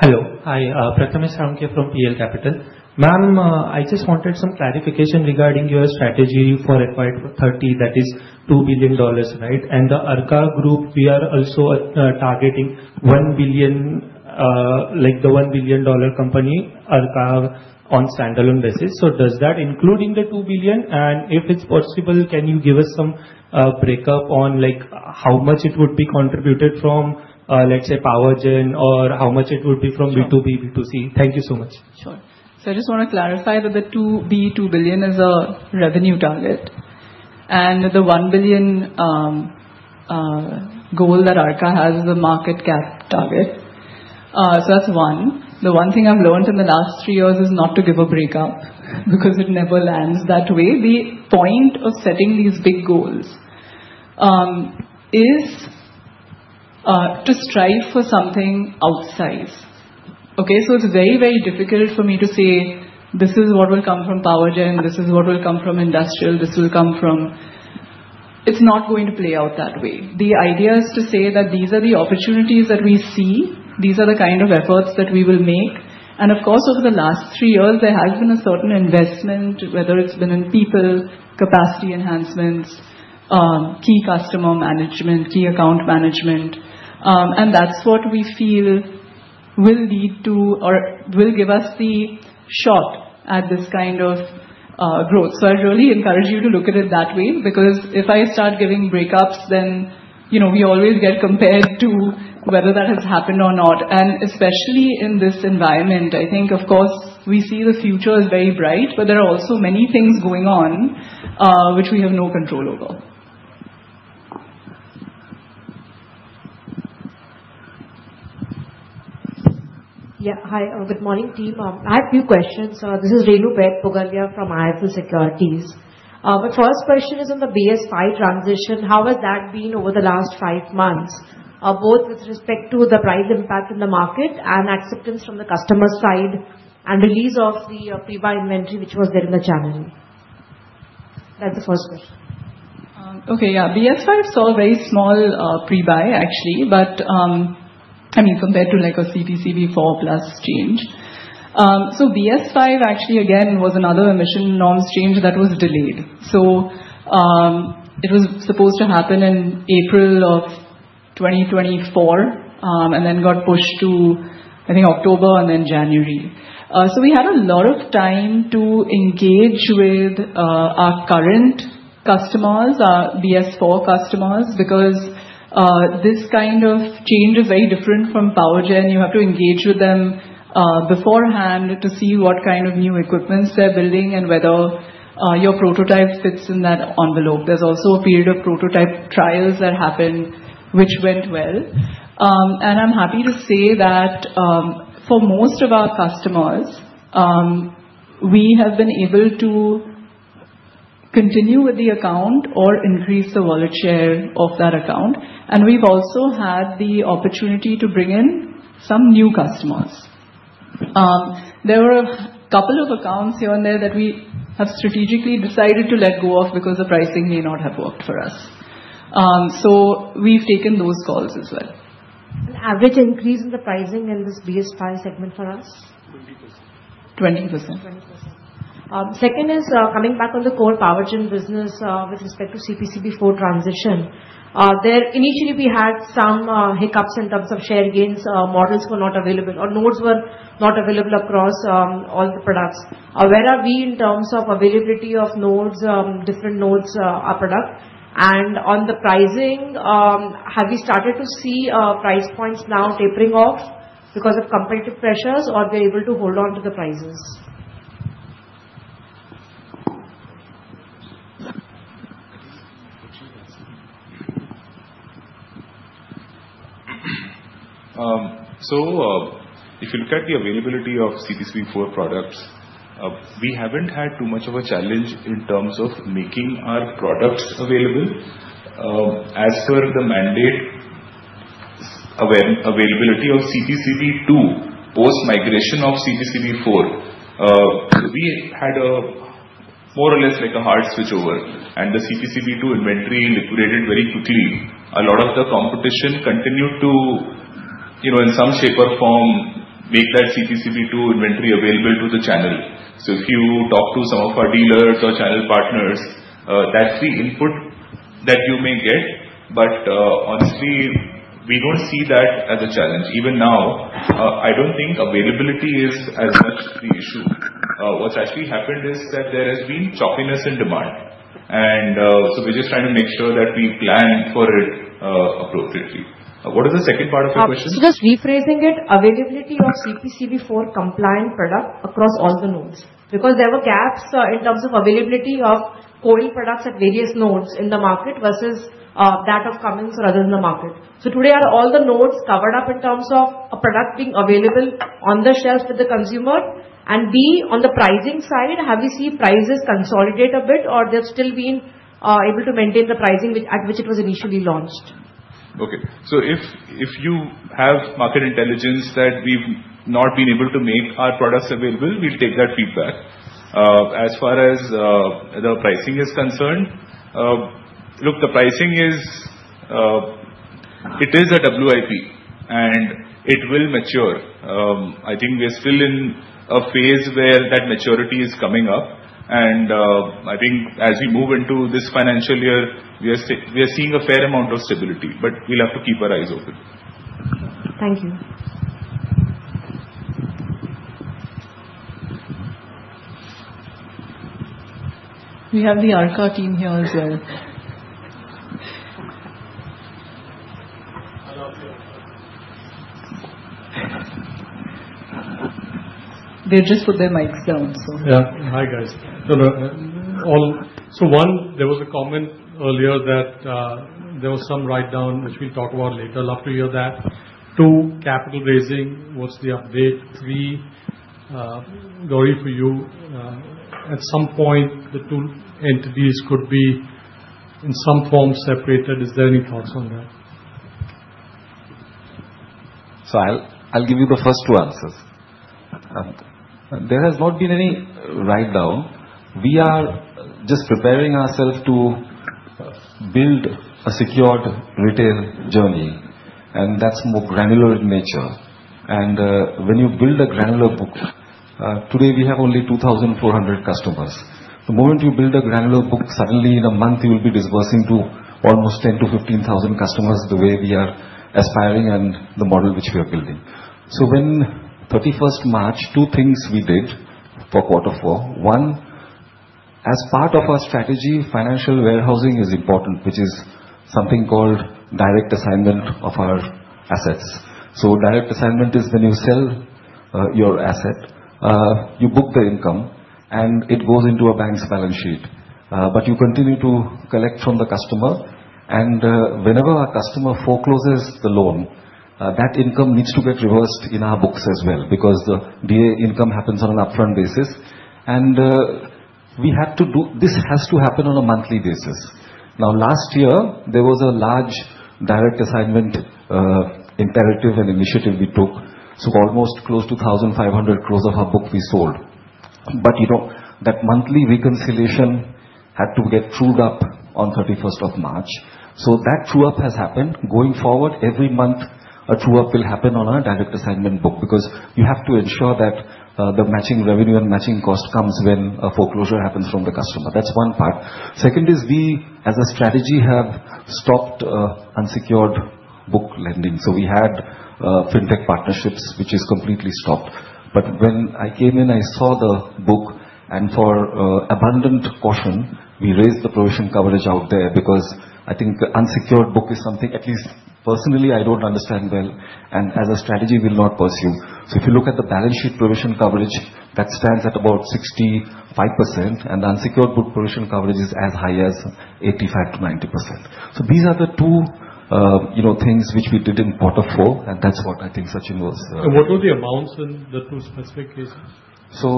Hello. Hi, Prathamesh Ramke from PL Capital. Ma'am, I just wanted some clarification regarding your strategy for 2B for 30, that is $2 billion, right? And the ARKA Group, we are also targeting $1 billion, like the $1 billion company ARKA on standalone basis. So does that include the $2 billion? And if it's possible, can you give us some, breakup on like how much it would be contributed from, let's say, Power Gen or how much it would be from B2B, B2C? Thank you so much. Sure. So I just want to clarify that the $2 billion is a revenue target. And the $1 billion goal that ARKA has is a market cap target. So that's one. The one thing I've learned in the last three years is not to give a breakup because it never lands that way. The point of setting these big goals is to strive for something outsized. Okay? So it's very, very difficult for me to say this is what will come from Power Gen, this is what will come from industrial, this will come from. It's not going to play out that way. The idea is to say that these are the opportunities that we see, these are the kind of efforts that we will make, and of course, over the last three years, there has been a certain investment, whether it's been in people, capacity enhancements, key customer management, key account management, and that's what we feel will lead to or will give us the shot at this kind of growth, so I really encourage you to look at it that way because if I start giving breakups, then you know, we always get compared to whether that has happened or not. And especially in this environment, I think, of course, we see the future is very bright, but there are also many things going on, which we have no control over. Yeah. Hi. Good morning, team. I have a few questions. This is Renu Baid Pugalia from IIFL Securities. My first question is on the BS-V transition. How has that been over the last five months, both with respect to the price impact in the market and acceptance from the customer side and release of the pre-buy inventory, which was there in the channel? That's the first question. Okay. Yeah. BS-V saw a very small pre-buy, actually, but, I mean, compared to like a CPCB IV+ change. So, BS-V actually, again, was another emission norms change that was delayed. So, it was supposed to happen in April of 2024, and then got pushed to, I think, October and then January. So we had a lot of time to engage with our current customers, our BS4 customers, because this kind of change is very different from Power Gen. You have to engage with them beforehand to see what kind of new equipment they're building and whether your prototype fits in that envelope. There's also a period of prototype trials that happened, which went well, and I'm happy to say that for most of our customers, we have been able to continue with the account or increase the wallet share of that account, and we've also had the opportunity to bring in some new customers. There were a couple of accounts here and there that we have strategically decided to let go of because the pricing may not have worked for us, so we've taken those calls as well. An average increase in the pricing in this BS-V segment for us? 20%. 20%. 20%. Second is coming back on the core Power Gen business with respect to CPCB IV transition. There initially we had some hiccups in terms of share gains. Models were not available or nodes were not available across all the products. Where are we in terms of availability of nodes, different nodes, our product? And on the pricing, have we started to see price points now tapering off because of competitive pressures or we're able to hold on to the prices? So if you look at the availability of CPCB IV products, we haven't had too much of a challenge in terms of making our products available. As per the mandate availability of CPCB II post-migration of CPCB IV, we had a more or less like a hard switchover, and the CPCB II inventory liquidated very quickly. A lot of the competition continued to, you know, in some shape or form, make that CPCB II inventory available to the channel. So if you talk to some of our dealers or channel partners, that's the input that you may get. But, honestly, we don't see that as a challenge. Even now, I don't think availability is as much the issue. What's actually happened is that there has been choppiness in demand, and so we're just trying to make sure that we plan for it, appropriately. What is the second part of your question? So just rephrasing it, availability of CPCB IV compliant product across all the nodes because there were gaps in terms of availability of KOEL products at various nodes in the market versus that of Cummins or others in the market. So today, are all the nodes covered up in terms of a product being available on the shelf with the consumer? And B, on the pricing side, have we seen prices consolidate a bit or they've still been able to maintain the pricing at which it was initially launched? Okay. So if you have market intelligence that we've not been able to make our products available, we'll take that feedback. As far as the pricing is concerned, look, the pricing is. It is a WIP and it will mature. I think we're still in a phase where that maturity is coming up. And I think as we move into this financial year, we are seeing a fair amount of stability, but we'll have to keep our eyes open. Thank you. We have the ARKA team here as well. Hello. They've just put their mics down, so. Yeah. Hi, guys. All. So one, there was a comment earlier that there was some write-down, which we'll talk about later. Love to hear that. Two, capital raising. What's the update? Three, Gauri for you. At some point, the two entities could be in some form separated. Is there any thoughts on that? So I'll, I'll give you the first two answers. There has not been any write-down. We are just preparing ourselves to build a secured retail journey, and that's more granular in nature. And when you build a granular book, today we have only 2,400 customers. The moment you build a granular book, suddenly in a month you will be disbursing to almost 10,000-15,000 customers the way we are aspiring and the model which we are building. So when 31st March, two things we did for Quarter 4. One, as part of our strategy, financial warehousing is important, which is something called direct assignment of our assets. So direct assignment is when you sell your asset, you book the income and it goes into a bank's balance sheet, but you continue to collect from the customer. And whenever our customer forecloses the loan, that income needs to get reversed in our books as well because the DA income happens on an upfront basis, and this has to happen on a monthly basis. Now, last year there was a large direct assignment, imperative and initiative we took. So almost close to 1,500 crores of our book we sold, but you know, that monthly reconciliation had to get trued up on 31st of March, so that true-up has happened. Going forward, every month a true-up will happen on our direct assignment book because you have to ensure that the matching revenue and matching cost comes when a foreclosure happens from the customer. That's one part. Second is we, as a strategy, have stopped unsecured book lending. So we had fintech partnerships, which is completely stopped. But when I came in, I saw the book and for abundant caution, we raised the provision coverage out there because I think unsecured book is something, at least personally, I don't understand well and as a strategy, we'll not pursue. So if you look at the balance sheet provision coverage, that stands at about 65% and the unsecured book provision coverage is as high as 85%-90%. So these are the two, you know, things which we did in Quarter 4 and that's what I think Sachin was. And what were the amounts in the two specific cases? So,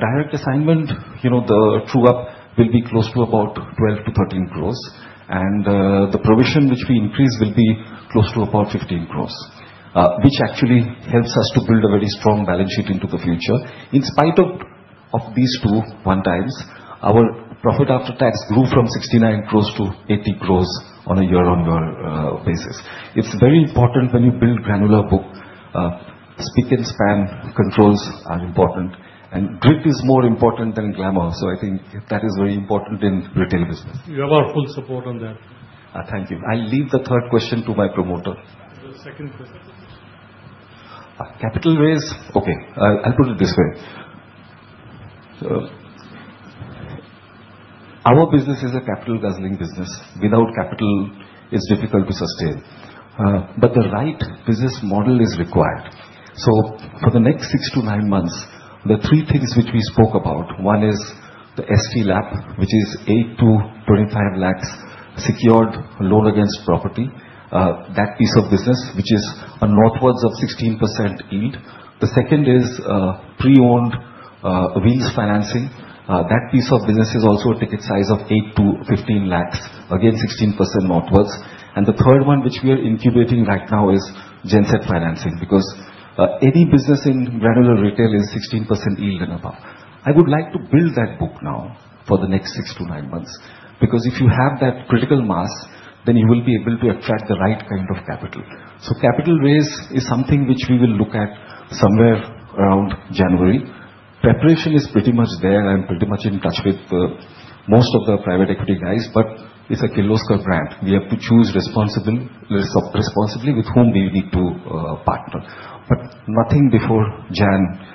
direct assignment, you know, the true-up will be close to about 12 crores - 13 crores. And, the provision which we increase will be close to about 15 crores, which actually helps us to build a very strong balance sheet into the future. In spite of these two one times, our profit after tax grew from 69 crores - 80 crores on a year-on-year basis. It's very important when you build granular book. Speak and span controls are important. And grit is more important than glamour. So I think that is very important in retail business. You have our full support on that. Thank you. I'll leave the third question to my promoter. The second question. Capital raise. Okay. I'll put it this way. Our business is a capital guzzling business. Without capital, it's difficult to sustain. But the right business model is required. So for the next six to nine months, the three things which we spoke about, one is the STLAP, which is 8 lakhs - 25 lakhs secured loan against property, that piece of business, which is a northwards of 16% yield. The second is pre-owned wheels financing. That piece of business is also a ticket size of 8 lakhs - 15 lakhs, again, 16% northwards. And the third one which we are incubating right now is Genset financing because any business in granular retail is 16% yield and above. I would like to build that book now for the next six months - nine months because if you have that critical mass, then you will be able to attract the right kind of capital. So capital raise is something which we will look at somewhere around January. Preparation is pretty much there. I'm pretty much in touch with most of the private equity guys, but it's a Kirloskar brand. We have to choose responsibly with whom we need to partner, but nothing before January.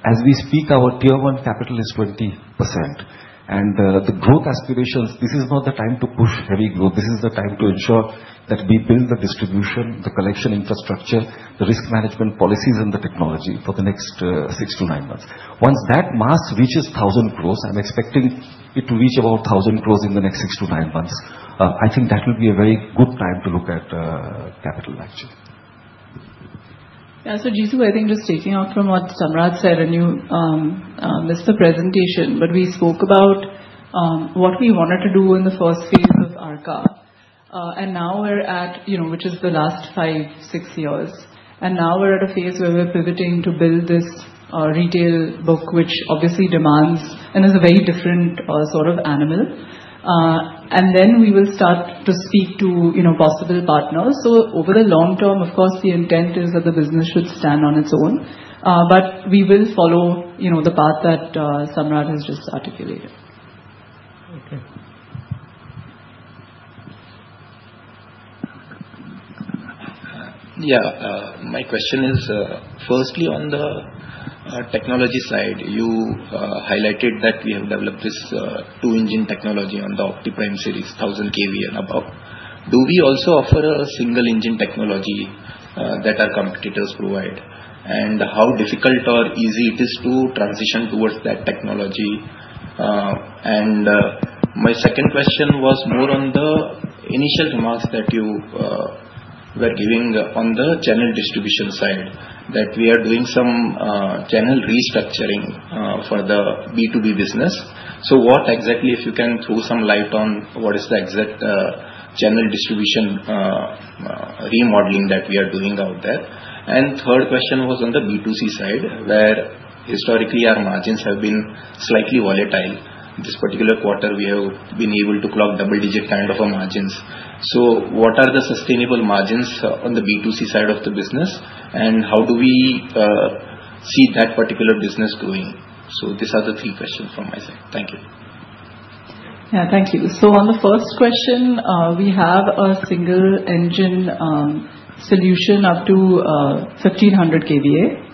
As we speak, our Tier 1 capital is 20%, and the growth aspirations, this is not the time to push heavy growth. This is the time to ensure that we build the distribution, the collection infrastructure, the risk management policies, and the technology for the next six to nine months. Once that AUM reaches 1,000 crores, I'm expecting it to reach about 1,000 crores in the next six months - nine months. I think that will be a very good time to look at capital, actually. Yeah. So Jisu, I think just taking off from what Samrat said and you missed the presentation, but we spoke about what we wanted to do in the first phase of ARKA, and now we're at, you know, which is the last five, six years. And now we're at a phase where we're pivoting to build this retail book, which obviously demands and is a very different sort of animal, and then we will start to speak to, you know, possible partners. So over the long term, of course, the intent is that the business should stand on its own, but we will follow, you know, the path that Samrat has just articulated. Okay. Yeah. My question is, firstly on the technology side, you highlighted that we have developed this two-engine technology on the Optiprime series, 1,000 kVA and above. Do we also offer a single-engine technology that our competitors provide? And how difficult or easy it is to transition towards that technology? And, my second question was more on the initial remarks that you were giving on the channel distribution side, that we are doing some channel restructuring for the B2B business. So what exactly, if you can throw some light on what is the exact channel distribution remodeling that we are doing out there? And third question was on the B2C side, where historically our margins have been slightly volatile. This particular quarter, we have been able to clock double-digit kind of margins. So what are the sustainable margins on the B2C side of the business? And how do we see that particular business growing? So these are the three questions from my side. Thank you. Yeah. Thank you. So on the first question, we have a single-engine solution up to 1,500 kVA.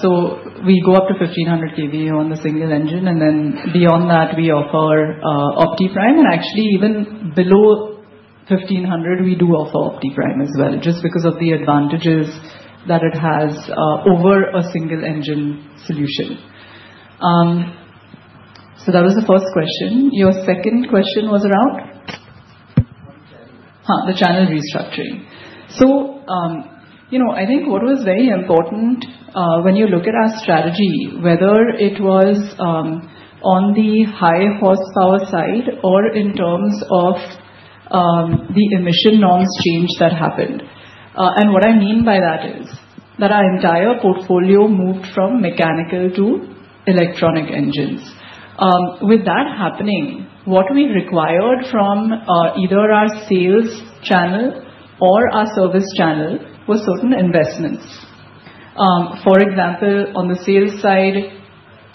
So we go up to 1,500 kVA on the single engine. And then beyond that, we offer Optiprime. And actually, even below 1,500, we do offer Optiprime as well, just because of the advantages that it has over a single-engine solution. So that was the first question. Your second question was around the channel restructuring. So, you know, I think what was very important, when you look at our strategy, whether it was on the high horsepower side or in terms of the emission norms change that happened. And what I mean by that is that our entire portfolio moved from mechanical to electronic engines. With that happening, what we required from either our sales channel or our service channel were certain investments. For example, on the sales side,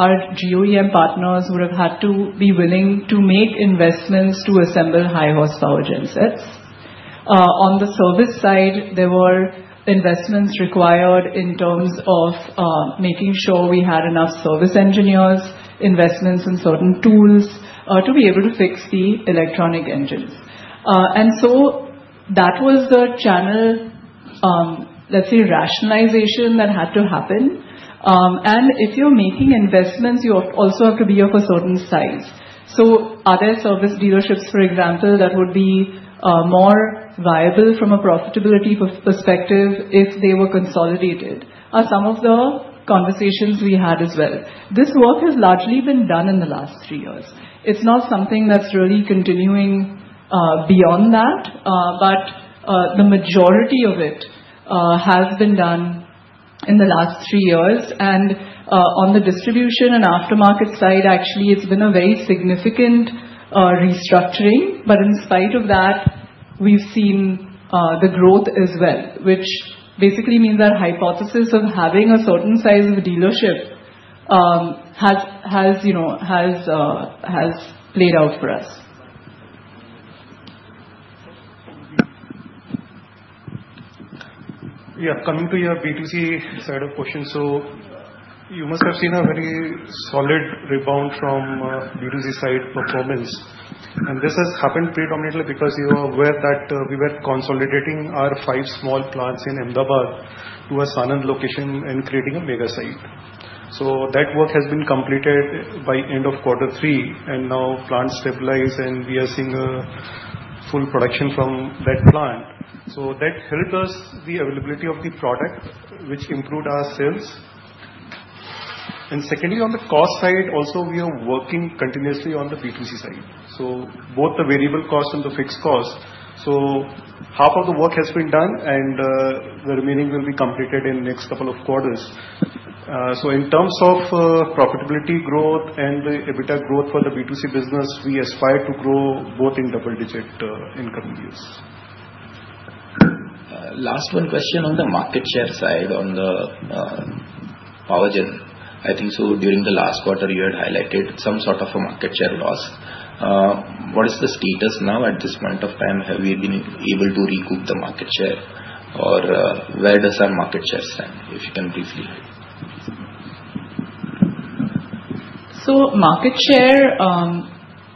our OEM partners would have had to be willing to make investments to assemble high horsepower gensets. On the service side, there were investments required in terms of making sure we had enough service engineers, investments in certain tools, to be able to fix the electronic engines, and so that was the channel, let's say, rationalization that had to happen, and if you're making investments, you also have to be of a certain size, so are there service dealerships, for example, that would be more viable from a profitability perspective if they were consolidated? Are some of the conversations we had as well? This work has largely been done in the last three years. It's not something that's really continuing beyond that, but the majority of it has been done in the last three years, and on the distribution and aftermarket side, actually, it's been a very significant restructuring. But in spite of that, we've seen the growth as well, which basically means our hypothesis of having a certain size of a dealership has, you know, played out for us. Yeah. Coming to your B2C side of question, so you must have seen a very solid rebound from B2C side performance. And this has happened predominantly because you are aware that we were consolidating our five small plants in Ahmedabad to a Sanand location and creating a mega site. So that work has been completed by the end of Quarter 3. And now plants stabilize, and we are seeing a full production from that plant. So that helped us the availability of the product, which improved our sales. And secondly, on the cost side, also we are working continuously on the B2C side. So both the variable cost and the fixed cost. So half of the work has been done, and the remaining will be completed in the next couple of quarters. So in terms of profitability growth and the EBITDA growth for the B2C business, we aspire to grow both in double-digit in coming years. One last question on the market share side on the Power Gen. I think, so during the last quarter, you had highlighted some sort of a market share loss. What is the status now at this point of time? Have we been able to recoup the market share? Or, where does our market share stand? If you can briefly. So market share,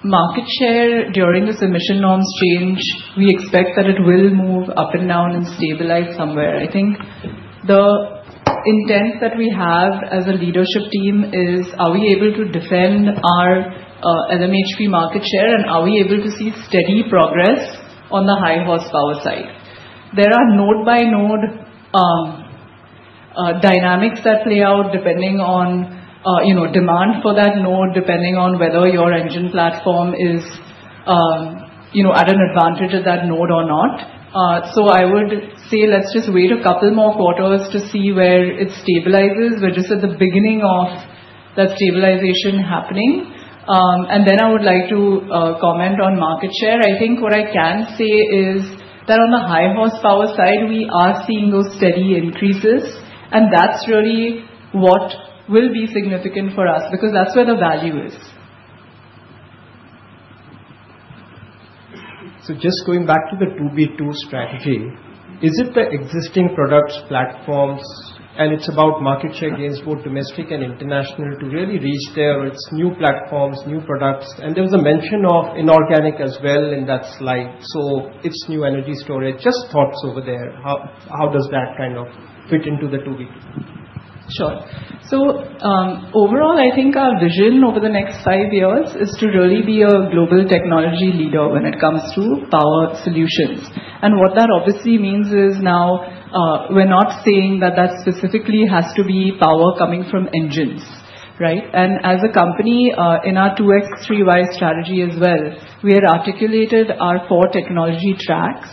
market share during the emission norms change, we expect that it will move up and down and stabilize somewhere. I think the intent that we have as a leadership team is, are we able to defend our LMHP market share? And are we able to see steady progress on the high horsepower side? There are node-by-node dynamics that play out depending on, you know, demand for that node, depending on whether your engine platform is, you know, at an advantage at that node or not. So I would say let's just wait a couple more quarters to see where it stabilizes. We're just at the beginning of that stabilization happening. And then I would like to comment on market share. I think what I can say is that on the high horsepower side, we are seeing those steady increases. And that's really what will be significant for us because that's where the value is. So just going back to the B2B strategy, is it the existing product platforms? And it's about market share against both domestic and international to really reach there, its new platforms, new products. There was a mention of inorganic as well in that slide. It's new energy storage. Just thoughts over there. How, how does that kind of fit into the 2B? Sure. Overall, I think our vision over the next five years is to really be a global technology leader when it comes to power solutions. What that obviously means is now, we're not saying that that specifically has to be power coming from engines, right? As a company, in our 2X3Y strategy as well, we had articulated our four technology tracks,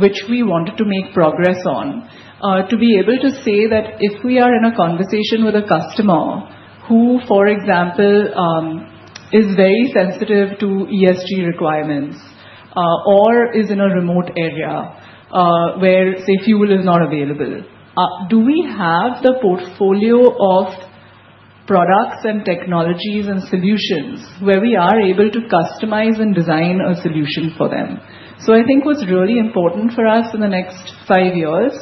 which we wanted to make progress on, to be able to say that if we are in a conversation with a customer who, for example, is very sensitive to ESG requirements, or is in a remote area, where, say, fuel is not available, do we have the portfolio of products and technologies and solutions where we are able to customize and design a solution for them? So I think what's really important for us in the next five years,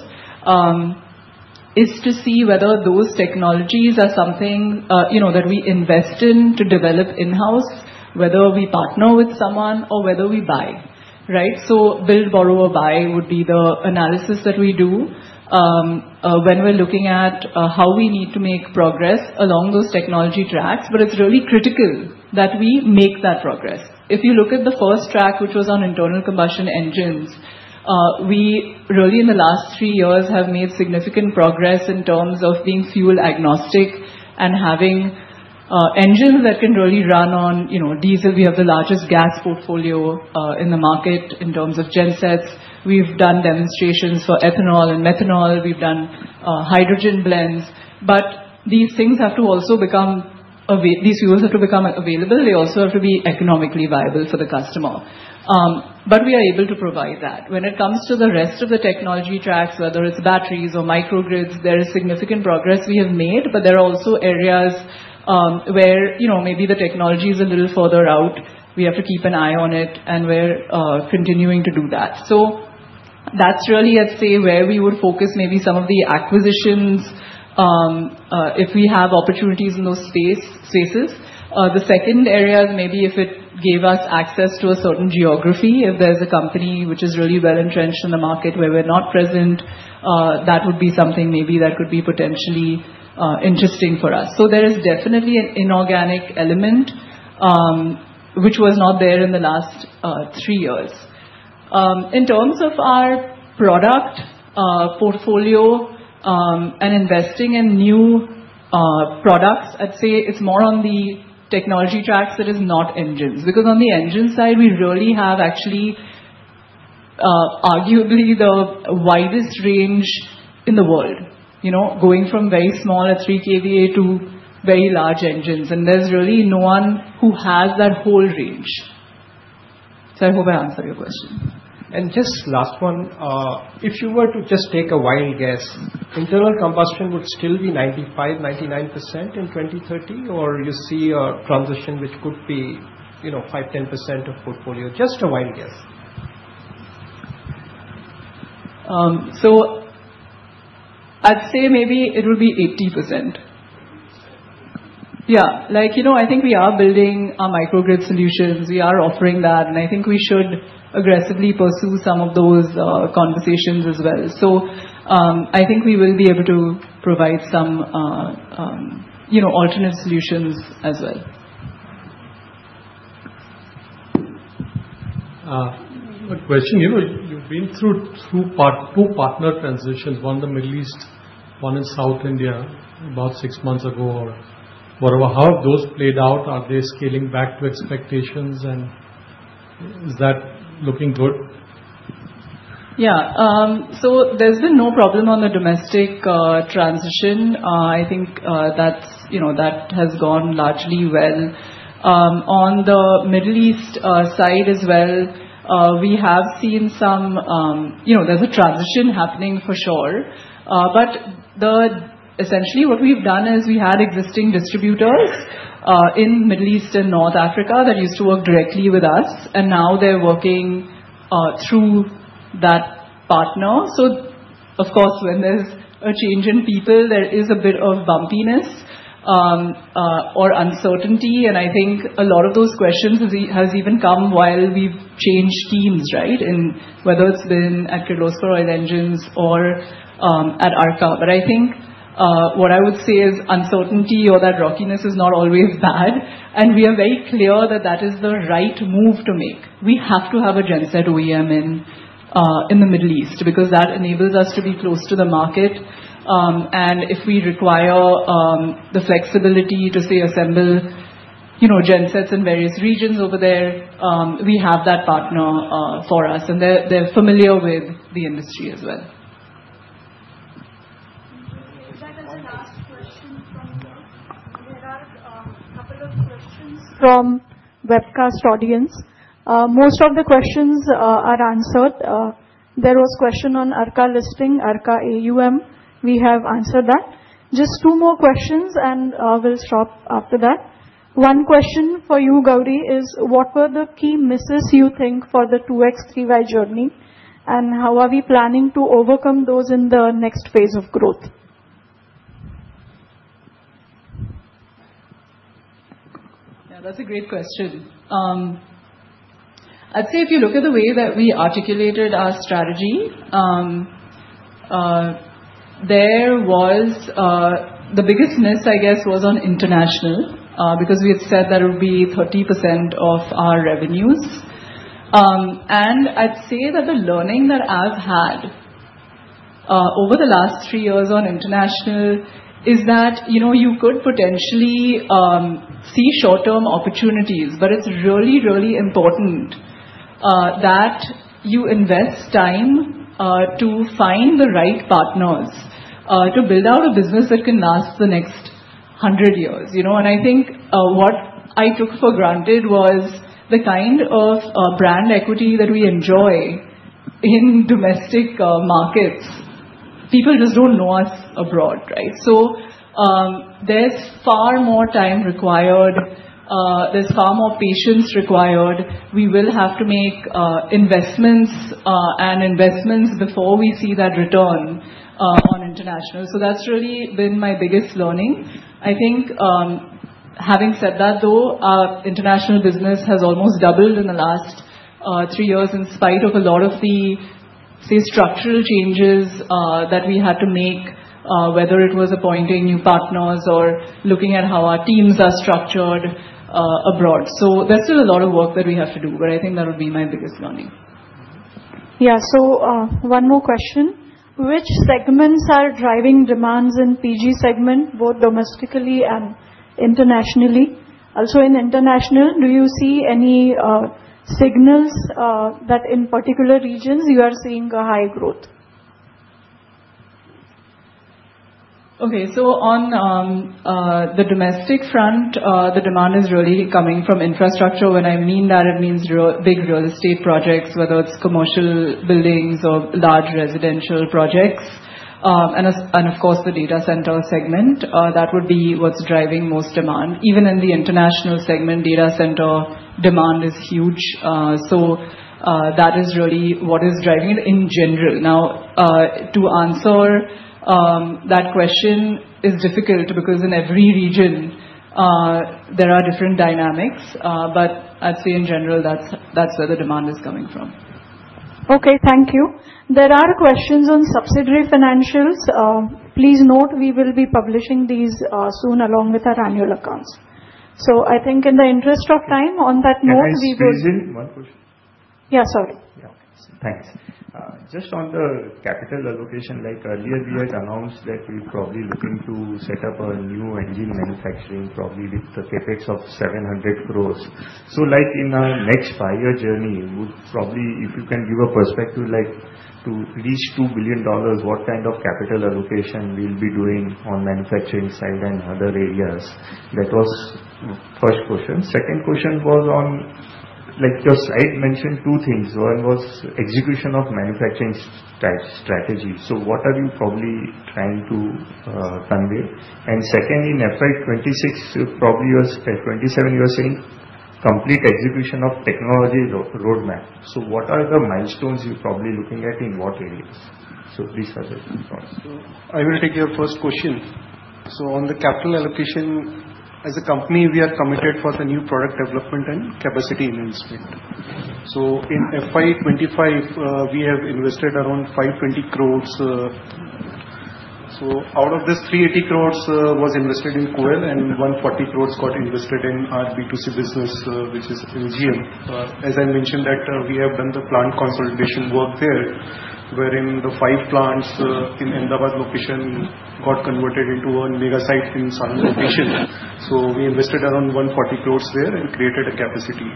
is to see whether those technologies are something, you know, that we invest in to develop in-house, whether we partner with someone or whether we buy, right? So build, borrow, or buy would be the analysis that we do, when we're looking at, how we need to make progress along those technology tracks. But it's really critical that we make that progress. If you look at the first track, which was on internal combustion engines, we really in the last three years have made significant progress in terms of being fuel agnostic and having engines that can really run on, you know, diesel. We have the largest gas portfolio in the market in terms of Gensets. We've done demonstrations for ethanol and methanol. We've done hydrogen blends. But these things have to also become available. These fuels have to become available. They also have to be economically viable for the customer. But we are able to provide that. When it comes to the rest of the technology tracks, whether it's batteries or microgrids, there is significant progress we have made. But there are also areas where, you know, maybe the technology is a little further out. We have to keep an eye on it and we're continuing to do that. So that's really, let's say, where we would focus maybe some of the acquisitions, if we have opportunities in those spaces. The second area is maybe if it gave us access to a certain geography, if there's a company which is really well entrenched in the market where we're not present, that would be something maybe that could be potentially interesting for us. So there is definitely an inorganic element, which was not there in the last three years. In terms of our product portfolio, and investing in new products, I'd say it's more on the technology tracks that is not engines. Because on the engine side, we really have actually, arguably the widest range in the world, you know, going from very small at 3 kVA to very large engines. And there's really no one who has that whole range. So I hope I answered your question. And just last one, if you were to just take a wild guess, internal combustion would still be 95%-99% in 2030, or you see a transition which could be, you know, 5%-10% of portfolio? Just a wild guess. So I'd say maybe it would be 80%. Yeah. Like, you know, I think we are building our microgrid solutions. We are offering that. And I think we should aggressively pursue some of those conversations as well. So, I think we will be able to provide some, you know, alternate solutions as well. Question. You know, you've been through two partner transitions, one in the Middle East, one in South India, about six months ago or whatever. How have those played out? Are they scaling back to expectations? And is that looking good? Yeah, so there's been no problem on the domestic transition. I think that's, you know, that has gone largely well. On the Middle East side as well, we have seen some, you know, there's a transition happening for sure, but essentially what we've done is we had existing distributors in Middle East and North Africa that used to work directly with us. And now they're working through that partner. So, of course, when there's a change in people, there is a bit of bumpiness or uncertainty. And I think a lot of those questions has even come while we've changed teams, right? And whether it's been at Kirloskar Oil Engines or at ARKA. But I think what I would say is uncertainty or that rockiness is not always bad. And we are very clear that that is the right move to make. We have to have a Genset OEM in the Middle East because that enables us to be close to the market, and if we require the flexibility to, say, assemble, you know, gensets in various regions over there, we have that partner for us. And they're familiar with the industry as well. Is that the last question from you? We had a couple of questions from webcast audience. Most of the questions are answered. There was a question on ARKA listing, ARKA AUM. We have answered that. Just two more questions, and we'll stop after that. One question for you, Gauri, is what were the key misses you think for the 2X3Y journey? And how are we planning to overcome those in the next phase of growth? Yeah, that's a great question. I'd say if you look at the way that we articulated our strategy, there was the biggest miss, I guess, was on international, because we had said that it would be 30% of our revenues. And I'd say that the learning that I've had over the last three years on international is that, you know, you could potentially see short-term opportunities, but it's really, really important that you invest time to find the right partners to build out a business that can last the next 100 years, you know? And I think what I took for granted was the kind of brand equity that we enjoy in domestic markets. People just don't know us abroad, right? So there's far more time required, there's far more patience required. We will have to make investments and investments before we see that return on international. So that's really been my biggest learning. I think, having said that, though, our international business has almost doubled in the last three years in spite of a lot of the, say, structural changes that we had to make, whether it was appointing new partners or looking at how our teams are structured abroad. So there's still a lot of work that we have to do, but I think that would be my biggest learning. Yeah. So, one more question. Which segments are driving demands in PG segment, both domestically and internationally? Also, in international, do you see any signals that in particular regions you are seeing a high growth? Okay. So on the domestic front, the demand is really coming from infrastructure. When I mean that, it means big real estate projects, whether it's commercial buildings or large residential projects, and of course, the data center segment, that would be what's driving most demand. Even in the international segment, data center demand is huge, so that is really what is driving it in general. Now, to answer that question is difficult because in every region, there are different dynamics, but I'd say in general, that's where the demand is coming from. Okay. Thank you. There are questions on subsidiary financials. Please note we will be publishing these soon along with our annual accounts, so I think in the interest of time, on that note, we will. One question. Yeah, sorry. Yeah. Thanks. Just on the capital allocation, like earlier, we had announced that we're probably looking to set up a new engine manufacturing, probably with the CapEx of 700 crores. So like in our next five-year journey, we would probably, if you can give a perspective, like to reach $2 billion, what kind of capital allocation we'll be doing on the manufacturing side and other areas. That was the first question. Second question was on, like your slide mentioned two things. One was execution of manufacturing strategy. So what are you probably trying to convey? And second, in FY26, probably FY27, you're saying complete execution of technology roadmap. So what are the milestones you're probably looking at in what areas? So please address those points. So I will take your first question. So on the capital allocation, as a company, we are committed for the new product development and capacity enhancement. So in FY25, we have invested around 520 crores. Out of this, 380 crores was invested in KOEL and 140 crores got invested in our B2C business, which is LGM. As I mentioned that, we have done the plant consolidation work there, wherein the five plants in Ahmedabad location got converted into a mega site in Sanand location. So we invested around 140 crores there and created a capacity.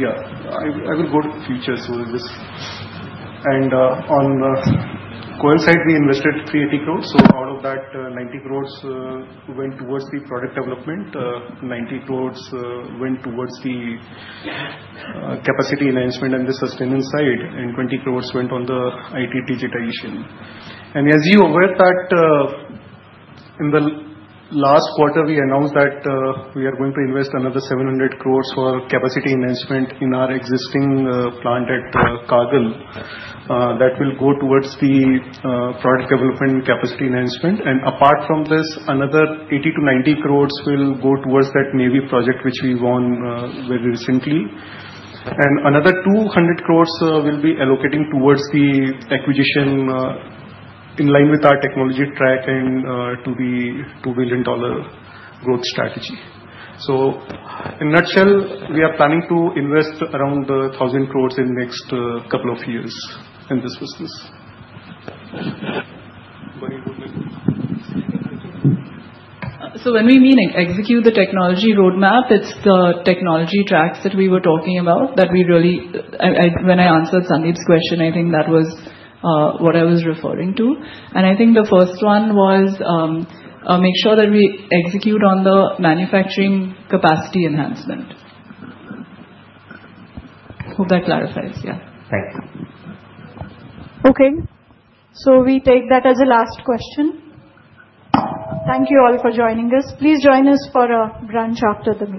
Yeah, I will go to the future. So on the KOEL side, we invested 380 crores. So out of that, 90 crores went towards the product development. 90 crores went towards the capacity enhancement and the sustenance side, and 20 crores went on the IT digitization. And as you are aware that, in the last quarter, we announced that we are going to invest another 700 crores for capacity enhancement in our existing plant at Kagal. That will go towards the product development and capacity enhancement. And apart from this, another 80 crores - 90 crores will go towards that Navy project, which we won very recently. And another 200 crores will be allocating towards the acquisition, in line with our technology track and, to the $2 billion growth strategy. So in a nutshell, we are planning to invest around 1,000 crores in the next couple of years in this business. So when we mean execute the technology roadmap, it's the technology tracks that we were talking about that we really, when I answered Sandeep's question, I think that was, what I was referring to. And I think the first one was, make sure that we execute on the manufacturing capacity enhancement. Hope that clarifies. Yeah. Thank you. Okay. So we take that as a last question. Thank you all for joining us. Please join us for a brunch after the meeting.